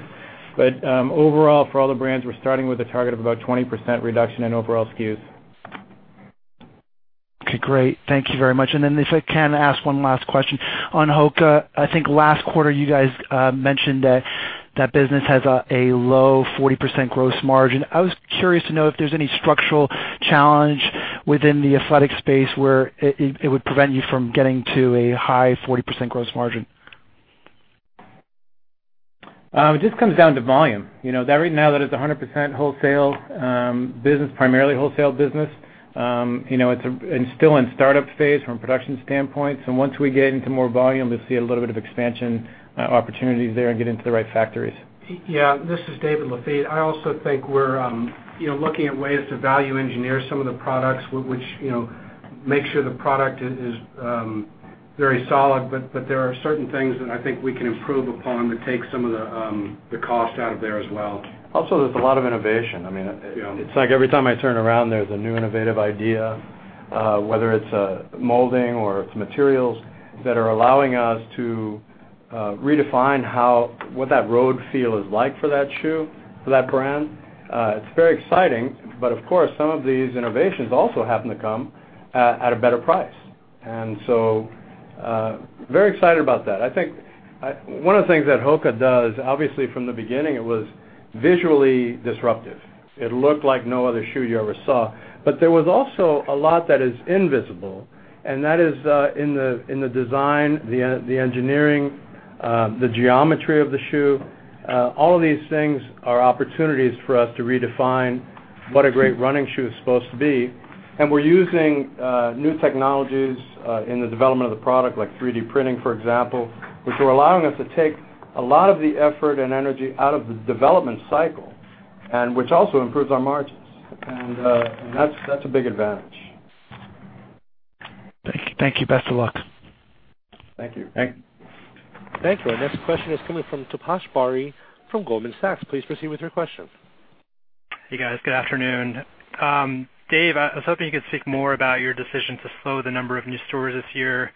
Overall, for all the brands, we're starting with a target of about 20% reduction in overall SKUs. Okay, great. Thank you very much. If I can ask one last question. On HOKA, I think last quarter you guys mentioned that that business has a low 40% gross margin. I was curious to know if there's any structural challenge within the athletic space where it would prevent you from getting to a high 40% gross margin. It just comes down to volume. That right now it's primarily wholesale business. It's still in startup phase from a production standpoint. Once we get into more volume, we'll see a little bit of expansion opportunities there and get into the right factories. This is David Lafitte. I also think we're looking at ways to value engineer some of the products, which makes sure the product is very solid, but there are certain things that I think we can improve upon to take some of the cost out of there as well. There's a lot of innovation. It's like every time I turn around, there's a new innovative idea whether it's molding or it's materials that are allowing us to redefine what that road feel is like for that shoe, for that brand. It's very exciting, but of course, some of these innovations also happen to come at a better price. Very excited about that. I think one of the things that HOKA does, obviously from the beginning, it was visually disruptive. It looked like no other shoe you ever saw. There was also a lot that is invisible, and that is in the design, the engineering, the geometry of the shoe. All of these things are opportunities for us to redefine what a great running shoe is supposed to be. We're using new technologies in the development of the product, like 3D printing, for example, which are allowing us to take a lot of the effort and energy out of the development cycle, and which also improves our margins. That's a big advantage. Thank you. Best of luck. Thank you. Thanks. Thank you. Our next question is coming from Taposh Bari from Goldman Sachs. Please proceed with your question. Hey, guys. Good afternoon. Dave, I was hoping you could speak more about your decision to slow the number of new stores this year.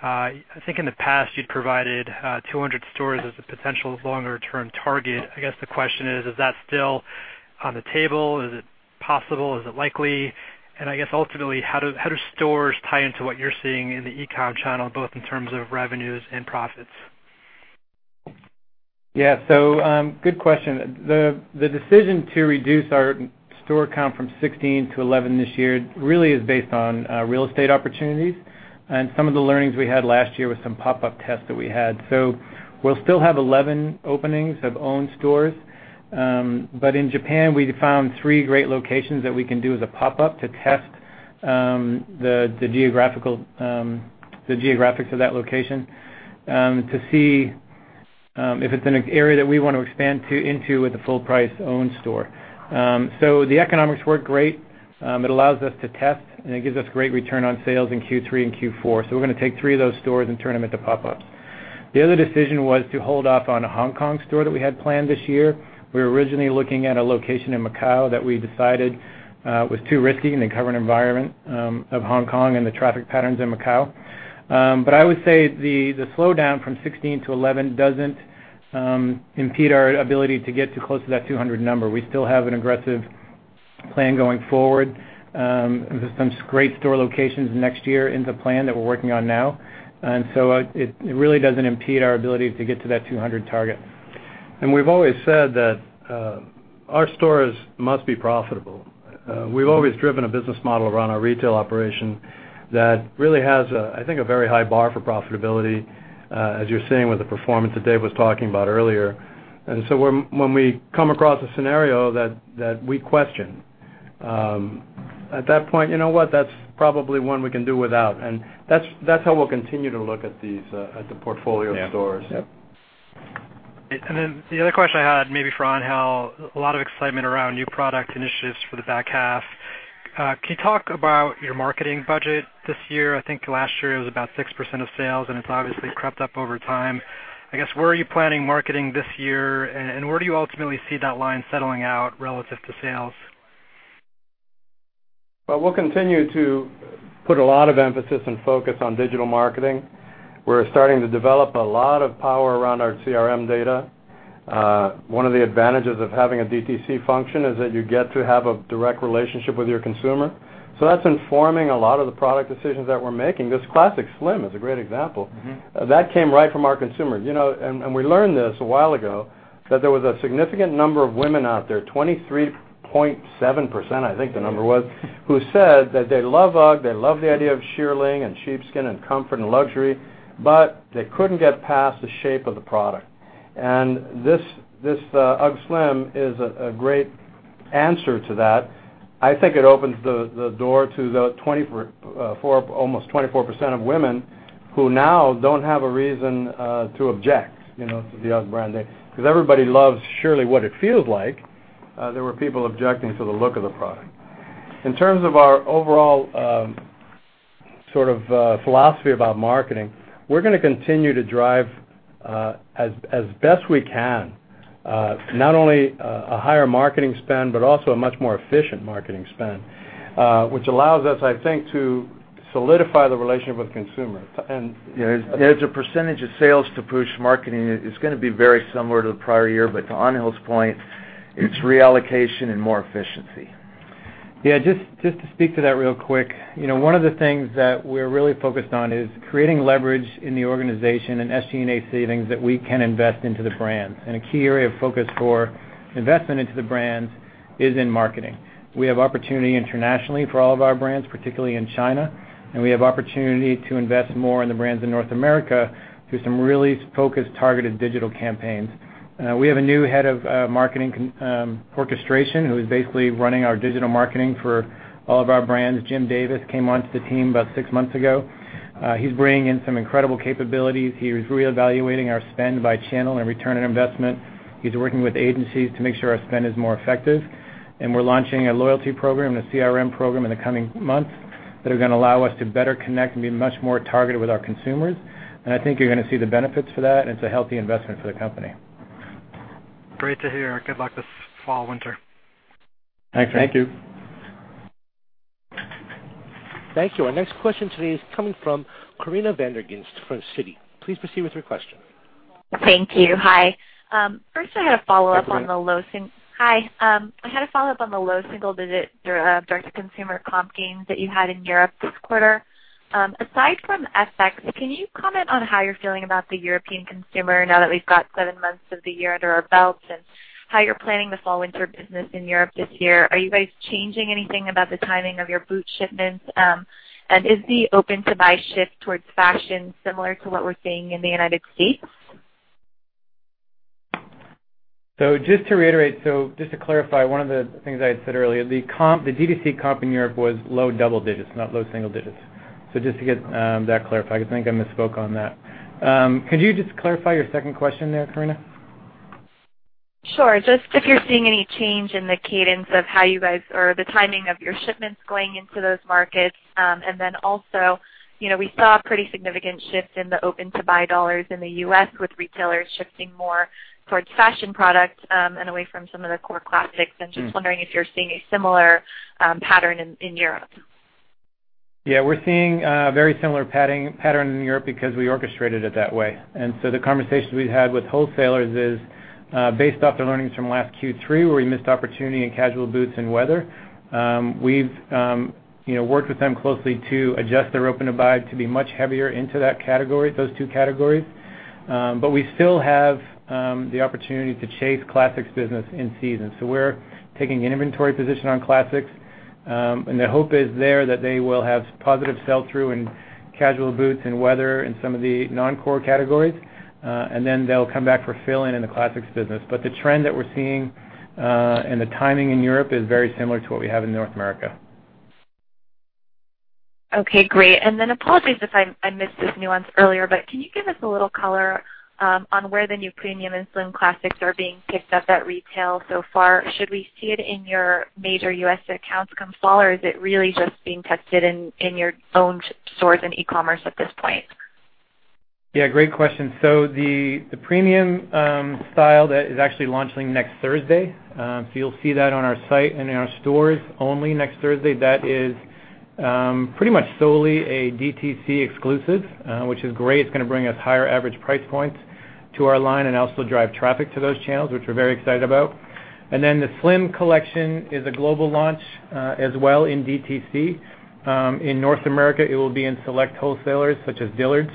I think in the past you'd provided 200 stores as a potential longer-term target. I guess the question is that still on the table? Is it possible? Is it likely? I guess ultimately, how do stores tie into what you're seeing in the e-com channel, both in terms of revenues and profits? Yeah. Good question. The decision to reduce our store count from 16 to 11 this year really is based on real estate opportunities and some of the learnings we had last year with some pop-up tests that we had. We'll still have 11 openings of owned stores. In Japan, we found three great locations that we can do as a pop-up to test the geographics of that location, to see if it's in an area that we want to expand into with a full price owned store. The economics work great. It allows us to test, and it gives us great return on sales in Q3 and Q4. We're going to take three of those stores and turn them into pop-ups. The other decision was to hold off on a Hong Kong store that we had planned this year. We were originally looking at a location in Macau that we decided was too risky in the current environment of Hong Kong and the traffic patterns in Macau. I would say the slowdown from 16 to 11 doesn't impede our ability to get too close to that 200 number. We still have an aggressive plan going forward. There's some great store locations next year in the plan that we're working on now, it really doesn't impede our ability to get to that 200 target. We've always said that our stores must be profitable. We've always driven a business model around our retail operation that really has, I think, a very high bar for profitability, as you're seeing with the performance that Dave was talking about earlier. When we come across a scenario that we question, at that point, you know what, that's probably one we can do without. That's how we'll continue to look at the portfolio of stores. Yeah. The other question I had, maybe for Angel, a lot of excitement around new product initiatives for the back half. Can you talk about your marketing budget this year? I think last year it was about 6% of sales, it's obviously crept up over time. I guess where are you planning marketing this year, and where do you ultimately see that line settling out relative to sales? Well, we'll continue to put a lot of emphasis and focus on digital marketing. We're starting to develop a lot of power around our CRM data. One of the advantages of having a DTC function is that you get to have a direct relationship with your consumer. That's informing a lot of the product decisions that we're making. This Classic Slim is a great example. That came right from our consumers. We learned this a while ago, that there was a significant number of women out there, 23.7%, I think the number was, who said that they love UGG, they love the idea of shearling and sheepskin and comfort and luxury, they couldn't get past the shape of the product. This UGG Slim is a great answer to that. I think it opens the door to the almost 24% of women who now don't have a reason to object to the UGG brand name. Everybody loves surely what it feels like. There were people objecting to the look of the product. In terms of our overall sort of philosophy about marketing, we're going to continue to drive as best we can, not only a higher marketing spend but also a much more efficient marketing spend, which allows us, I think, to solidify the relationship with consumers. As a percentage of sales to push marketing is going to be very similar to the prior year, but to Angel's point, it's reallocation and more efficiency. Yeah, just to speak to that real quick. One of the things that we're really focused on is creating leverage in the organization and SG&A savings that we can invest into the brands. A key area of focus for investment into the brands is in marketing. We have opportunity internationally for all of our brands, particularly in China, and we have opportunity to invest more in the brands in North America through some really focused, targeted digital campaigns. We have a new head of marketing orchestration who is basically running our digital marketing for all of our brands. Jim Davis came onto the team about six months ago. He's bringing in some incredible capabilities. He is reevaluating our spend by channel and return on investment. He's working with agencies to make sure our spend is more effective. We're launching a loyalty program and a CRM program in the coming months that are going to allow us to better connect and be much more targeted with our consumers. I think you're going to see the benefits for that, and it's a healthy investment for the company. Great to hear. Good luck this fall/winter. Thanks. Thank you. Thank you. Our next question today is coming from Corinna van der Ghinst from Citi. Please proceed with your question. Thank you. Hi. First I had a follow-up on the low single- Can you hear me? Hi. I had a follow-up on the low single-digit direct-to-consumer comp gains that you had in Europe this quarter. Aside from FX, can you comment on how you're feeling about the European consumer now that we've got seven months of the year under our belts and how you're planning the fall/winter business in Europe this year? Are you guys changing anything about the timing of your boot shipments? Is the open-to-buy shift towards fashion similar to what we're seeing in the United States? Just to clarify one of the things I had said earlier, the DTC comp in Europe was low double digits, not low single digits. Just to get that clarified, because I think I misspoke on that. Could you just clarify your second question there, Corinna? Sure. Just if you're seeing any change in the cadence of how you guys, or the timing of your shipments going into those markets. We saw a pretty significant shift in the open-to-buy dollars in the U.S., with retailers shifting more towards fashion products and away from some of their core classics. Just wondering if you're seeing a similar pattern in Europe. Yeah, we're seeing a very similar pattern in Europe because we orchestrated it that way. The conversations we've had with wholesalers is, based off the learnings from last Q3, where we missed opportunity in casual boots and weather, we've worked with them closely to adjust their open-to-buy to be much heavier into those two categories. We still have the opportunity to chase classics business in season. We're taking an inventory position on classics, and the hope is there that they will have positive sell-through in casual boots and weather in some of the non-core categories, and then they'll come back for fill-in in the classics business. The trend that we're seeing, and the timing in Europe is very similar to what we have in North America. Okay, great. Apologies if I missed this nuance earlier, but can you give us a little color on where the new premium and Slim Classics are being picked up at retail so far? Should we see it in your major U.S. accounts come fall, or is it really just being tested in your own stores and e-commerce at this point? Great question. The premium style that is actually launching next Thursday. You'll see that on our site and in our stores only next Thursday. That is pretty much solely a DTC exclusive, which is great. It's going to bring us higher average price points to our line and also drive traffic to those channels, which we're very excited about. The Slim collection is a global launch as well in DTC. In North America, it will be in select wholesalers such as Dillard's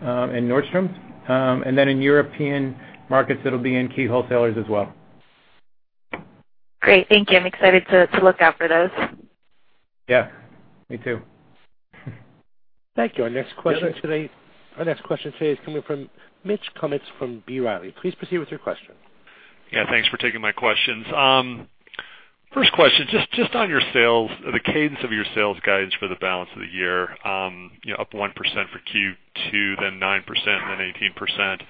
and Nordstrom, and in European markets, it'll be in key wholesalers as well. Great. Thank you. I'm excited to look out for those. Yeah, me too. Thank you. Our next question today is coming from Mitch Kummetz from B. Riley. Please proceed with your question. Thanks for taking my questions. First question, just on your sales, the cadence of your sales guidance for the balance of the year, up 1% for Q2, then 9%, then 18%.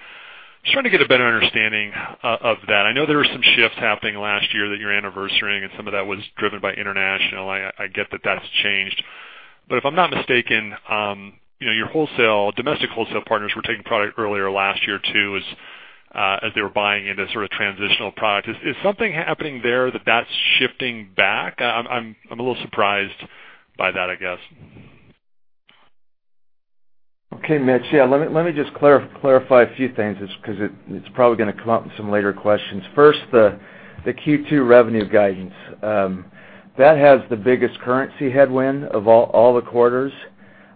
Just trying to get a better understanding of that. I know there were some shifts happening last year that you're anniversarying, and some of that was driven by international. I get that that's changed. If I'm not mistaken, your domestic wholesale partners were taking product earlier last year, too, as they were buying into sort of transitional product. Is something happening there that that's shifting back? I'm a little surprised by that, I guess. Okay, Mitch. Let me just clarify a few things because it's probably going to come up in some later questions. First, the Q2 revenue guidance. That has the biggest currency headwind of all the quarters.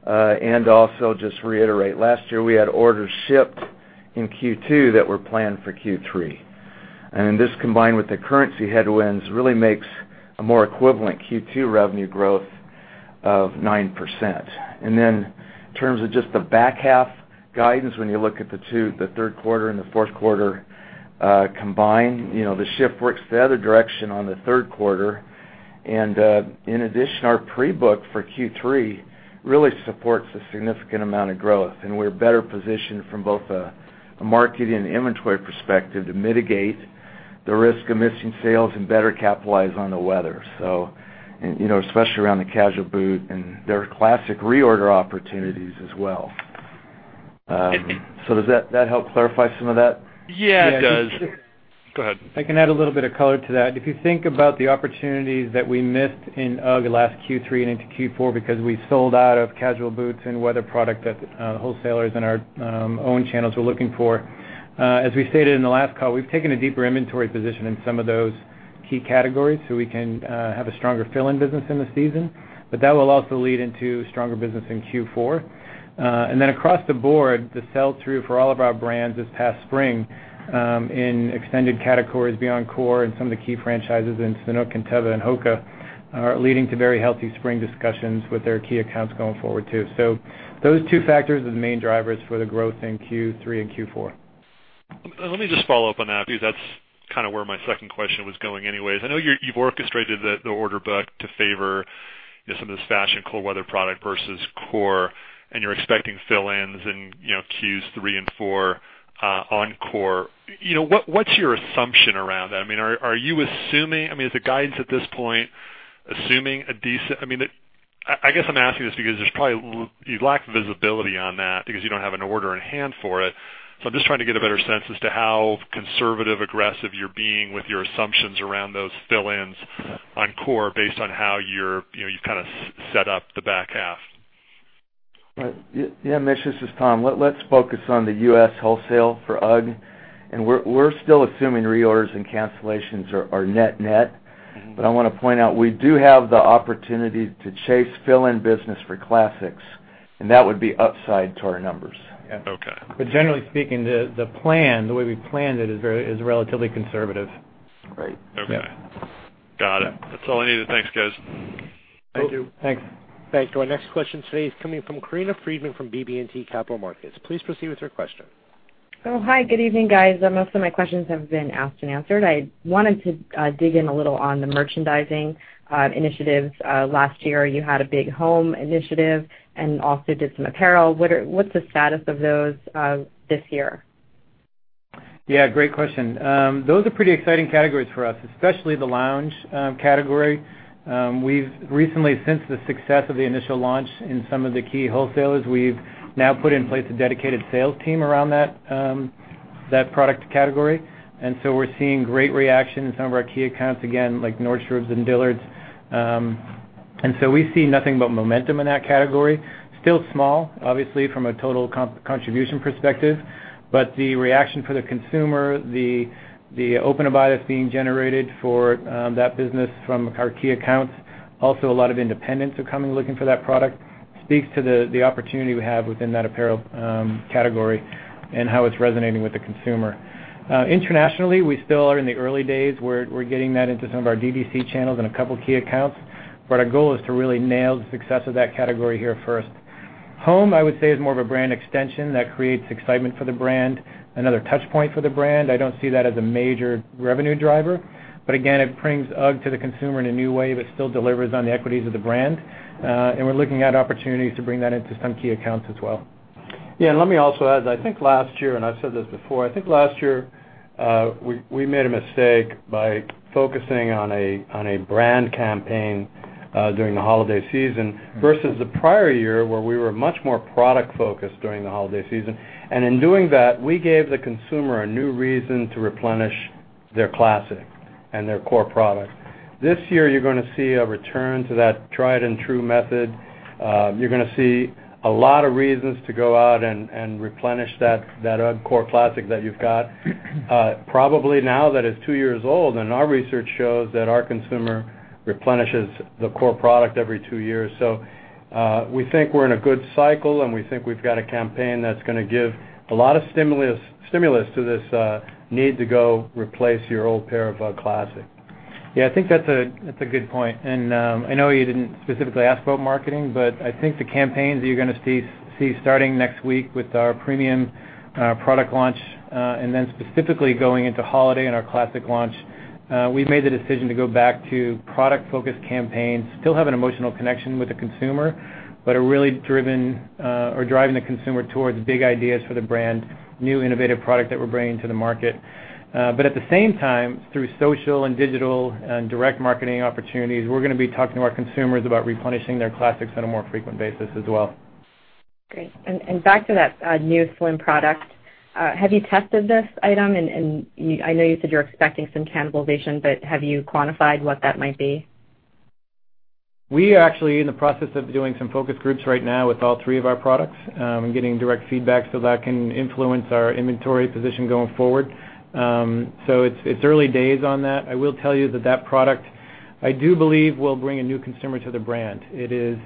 Also just reiterate, last year, we had orders shipped in Q2 that were planned for Q3. This combined with the currency headwinds really makes a more equivalent Q2 revenue growth of 9%. In terms of just the back half guidance, when you look at the third quarter and the fourth quarter combined, the shift works the other direction on the third quarter. In addition, our pre-book for Q3 really supports a significant amount of growth, and we're better positioned from both a marketing and inventory perspective to mitigate the risk of missing sales and better capitalize on the weather. Especially around the casual boot and their Classic reorder opportunities as well. Does that help clarify some of that? It does. Go ahead. I can add a little bit of color to that. If you think about the opportunities that we missed in UGG last Q3 and into Q4 because we sold out of casual boots and weather product that wholesalers in our own channels were looking for. As we stated in the last call, we've taken a deeper inventory position in some of those key categories so we can have a stronger fill-in business in the season. That will also lead into stronger business in Q4. Across the board, the sell-through for all of our brands this past spring in extended categories beyond core and some of the key franchises in Sanuk and Teva and HOKA are leading to very healthy spring discussions with their key accounts going forward, too. Those two factors are the main drivers for the growth in Q3 and Q4. Let me just follow up on that because that's kind of where my second question was going anyways. I know you've orchestrated the order book to favor some of this fashion cold weather product versus core, and you're expecting fill-ins in Q3 and 4 on core. What's your assumption around that? Is the guidance at this point assuming a decent-- I guess I'm asking this because you lack visibility on that because you don't have an order in hand for it. I'm just trying to get a better sense as to how conservative-aggressive you're being with your assumptions around those fill-ins on core based on how you've kind of set up the back half. Yeah, Mitch, this is Tom. Let's focus on the U.S. wholesale for UGG. We're still assuming reorders and cancellations are net. I want to point out we do have the opportunity to chase fill-in business for classics, and that would be upside to our numbers. Okay. Generally speaking, the way we planned it is relatively conservative. Great. Okay. Got it. That's all I needed. Thanks, guys. Thank you. Thanks. Thank you. Our next question today is coming from Corinna Freedman from BB&T Capital Markets. Please proceed with your question. Hi. Good evening, guys. Most of my questions have been asked and answered. I wanted to dig in a little on the merchandising initiatives. Last year, you had a big home initiative and also did some apparel. What's the status of those this year? Yeah, great question. Those are pretty exciting categories for us, especially the lounge category. We've recently, since the success of the initial launch in some of the key wholesalers, we've now put in place a dedicated sales team around that product category. We're seeing great reaction in some of our key accounts, again, like Nordstrom and Dillard's. We see nothing but momentum in that category. Still small, obviously, from a total contribution perspective, but the reaction for the consumer, the open about it being generated for that business from our key accounts, also a lot of independents are coming, looking for that product, speaks to the opportunity we have within that apparel category and how it's resonating with the consumer. Internationally, we still are in the early days. We're getting that into some of our DTC channels and a couple of key accounts. Our goal is to really nail the success of that category here first. Home, I would say, is more of a brand extension that creates excitement for the brand, another touch point for the brand. I don't see that as a major revenue driver, but again, it brings UGG to the consumer in a new way that still delivers on the equities of the brand. We're looking at opportunities to bring that into some key accounts as well. Yeah, let me also add, I think last year, I've said this before, I think last year, we made a mistake by focusing on a brand campaign during the holiday season versus the prior year, where we were much more product-focused during the holiday season. In doing that, we gave the consumer a new reason to replenish their Classic and their core product. This year, you're going to see a return to that tried and true method. You're going to see a lot of reasons to go out and replenish that UGG Classic that you've got. Probably now that it's two years old, and our research shows that our consumer replenishes the core product every two years. We think we're in a good cycle, and we think we've got a campaign that's going to give a lot of stimulus to this need to go replace your old pair of UGG Classic. I think that's a good point. I know you didn't specifically ask about marketing, but I think the campaigns that you're going to see starting next week with our premium product launch, and then specifically going into holiday and our Classic launch, we've made the decision to go back to product-focused campaigns. Still have an emotional connection with the consumer, but are really driven or driving the consumer towards big ideas for the brand, new innovative product that we're bringing to the market. At the same time, through social and digital and direct marketing opportunities, we're going to be talking to our consumers about replenishing their Classics on a more frequent basis as well. Great. Back to that new Slim product, have you tested this item? I know you said you're expecting some cannibalization, but have you quantified what that might be? We are actually in the process of doing some focus groups right now with all three of our products, and getting direct feedback so that can influence our inventory position going forward. It's early days on that. I will tell you that that product, I do believe, will bring a new consumer to the brand. It is,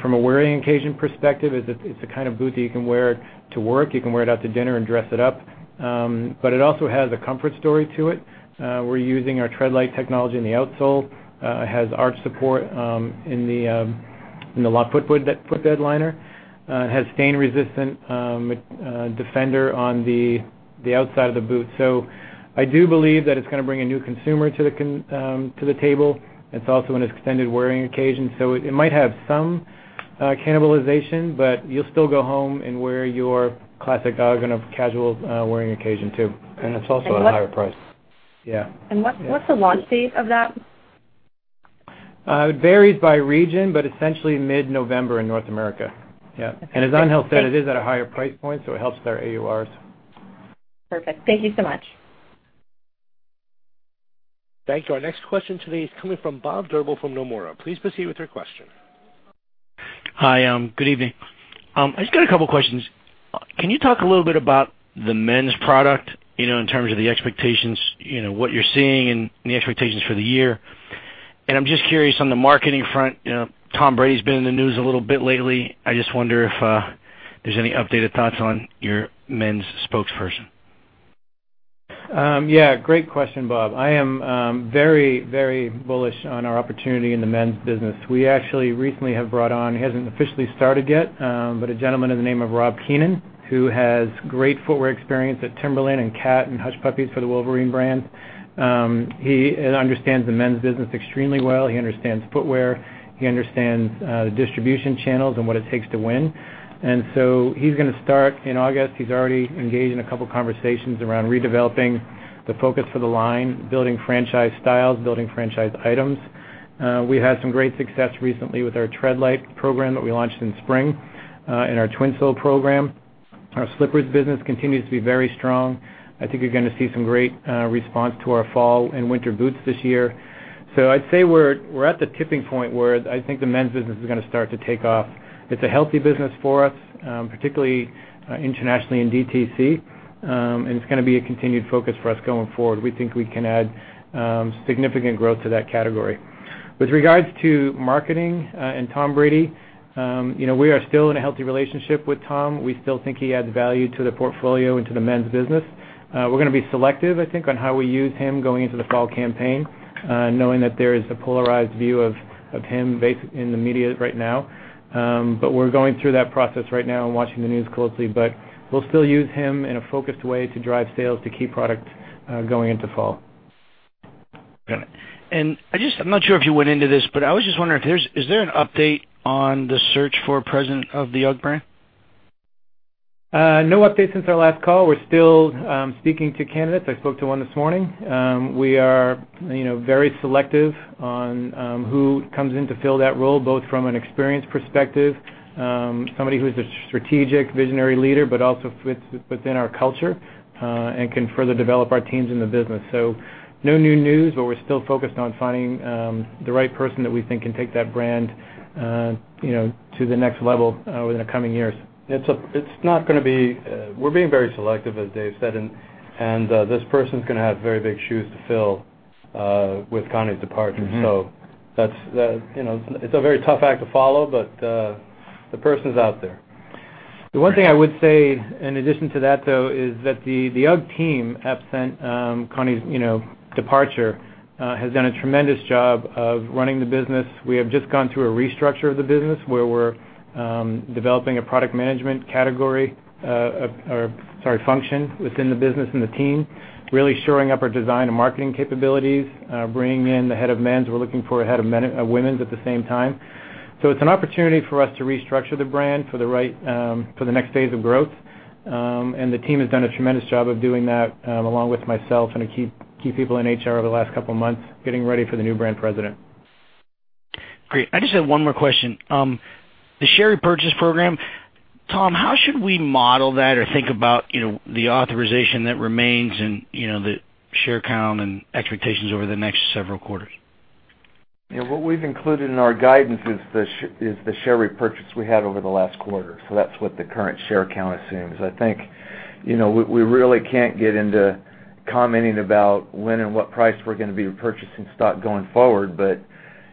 from a wearing occasion perspective, it's a kind of boot that you can wear to work. You can wear it out to dinner and dress it up. It also has a comfort story to it. We're using our Treadlite technology in the outsole. It has arch support in the locked footbed liner. It has stain resistant defender on the outside of the boot. I do believe that it's going to bring a new consumer to the table. It's also an extended wearing occasion, so it might have some cannibalization, but you'll still go home and wear your Classic UGG on a casual wearing occasion, too. It's also a higher price. Yeah. What's the launch date of that? It varies by region, but essentially mid-November in North America. Yeah. Okay. As Angel said, it is at a higher price point, so it helps with our AURs. Perfect. Thank you so much. Thank you. Our next question today is coming from Bob Drbul from Nomura. Please proceed with your question. Hi, good evening. I just got a couple of questions. Can you talk a little bit about the men's product, in terms of the expectations, what you're seeing and the expectations for the year? I'm just curious on the marketing front, Tom Brady's been in the news a little bit lately. I just wonder if there's any updated thoughts on your men's spokesperson. Yeah. Great question, Bob. I am very bullish on our opportunity in the men's business. We actually recently have brought on, he hasn't officially started yet, but a gentleman in the name of Rob Keenan, who has great footwear experience at Timberland and CAT and Hush Puppies for the Wolverine brand. He understands the men's business extremely well. He understands footwear. He understands distribution channels and what it takes to win. He's going to start in August. He's already engaged in a couple conversations around redeveloping the focus for the line, building franchise styles, building franchise items. We had some great success recently with our Treadlite program that we launched in spring, and our Twinsole program. Our slippers business continues to be very strong. I think you're going to see some great response to our fall and winter boots this year. I'd say we're at the tipping point where I think the men's business is going to start to take off. It's a healthy business for us, particularly internationally in DTC. It's going to be a continued focus for us going forward. We think we can add significant growth to that category. With regards to marketing and Tom Brady, we are still in a healthy relationship with Tom. We still think he adds value to the portfolio and to the men's business. We're going to be selective, I think, on how we use him going into the fall campaign, knowing that there is a polarized view of him based in the media right now. We're going through that process right now and watching the news closely. We'll still use him in a focused way to drive sales to key products going into fall. Got it. I'm not sure if you went into this, but I was just wondering, is there an update on the search for president of the UGG brand? No update since our last call. We're still speaking to candidates. I spoke to one this morning. We are very selective on who comes in to fill that role, both from an experience perspective, somebody who is a strategic visionary leader, also fits within our culture, and can further develop our teams in the business. No new news, we're still focused on finding the right person that we think can take that brand to the next level within the coming years. We're being very selective, as Dave said, this person's going to have very big shoes to fill with Connie's departure. It's a very tough act to follow, the person's out there. The one thing I would say, in addition to that, though, is that the UGG team, absent Connie's departure, has done a tremendous job of running the business. We have just gone through a restructure of the business, where we're developing a product management category, or, function within the business and the team, really shoring up our design and marketing capabilities, bringing in the head of men's. We're looking for a head of women's at the same time. It's an opportunity for us to restructure the brand for the next phase of growth. The team has done a tremendous job of doing that, along with myself and the key people in HR over the last couple of months, getting ready for the new brand president. Great. I just have one more question. The share repurchase program, Tom, how should we model that or think about the authorization that remains and the share count and expectations over the next several quarters? What we've included in our guidance is the share repurchase we had over the last quarter. That's what the current share count assumes. I think we really can't get into commenting about when and what price we're going to be repurchasing stock going forward,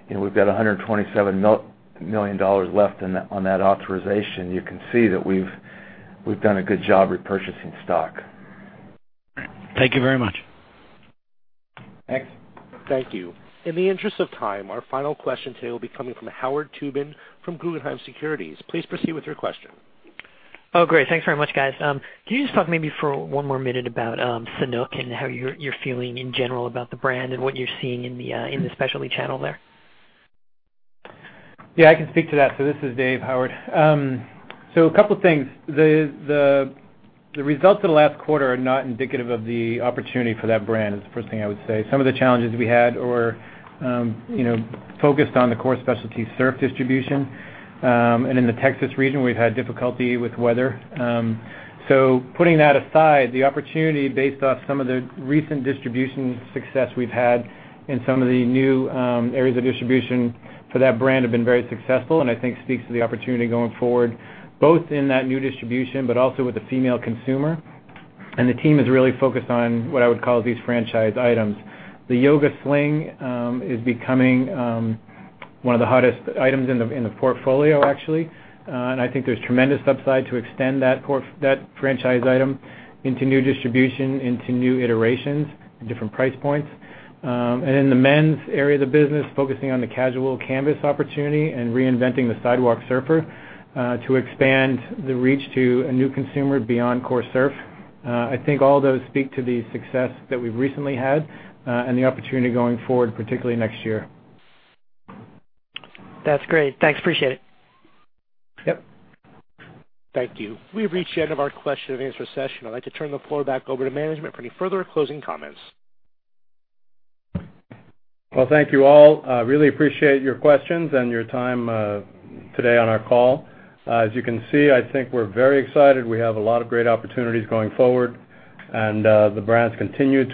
We've got $127 million left on that authorization. You can see that we've done a good job repurchasing stock. Thank you very much. Thanks. Thank you. In the interest of time, our final question today will be coming from Howard Tubin from Guggenheim Securities. Please proceed with your question. Oh, great. Thanks very much, guys. Can you just talk maybe for one more minute about Sanuk and how you're feeling in general about the brand and what you're seeing in the specialty channel there? Yeah, I can speak to that. This is Dave, Howard. A couple things. The results of the last quarter are not indicative of the opportunity for that brand, is the first thing I would say. Some of the challenges we had were focused on the core specialty surf distribution. In the Texas region, we've had difficulty with weather. Putting that aside, the opportunity based off some of the recent distribution success we've had in some of the new areas of distribution for that brand have been very successful and I think speaks to the opportunity going forward, both in that new distribution, but also with the female consumer. The team is really focused on what I would call these franchise items. The Yoga Sling is becoming one of the hottest items in the portfolio, actually. I think there's tremendous upside to extend that franchise item into new distribution, into new iterations and different price points. In the men's area of the business, focusing on the Casual Canvas opportunity and reinventing the Sidewalk Surfer to expand the reach to a new consumer beyond core surf. I think all those speak to the success that we've recently had and the opportunity going forward, particularly next year. That's great. Thanks, appreciate it. Yep. Thank you. We've reached the end of our question and answer session. I'd like to turn the floor back over to management for any further closing comments. Well, thank you all. Really appreciate your questions and your time today on our call. As you can see, I think we're very excited. We have a lot of great opportunities going forward and the brands continue to.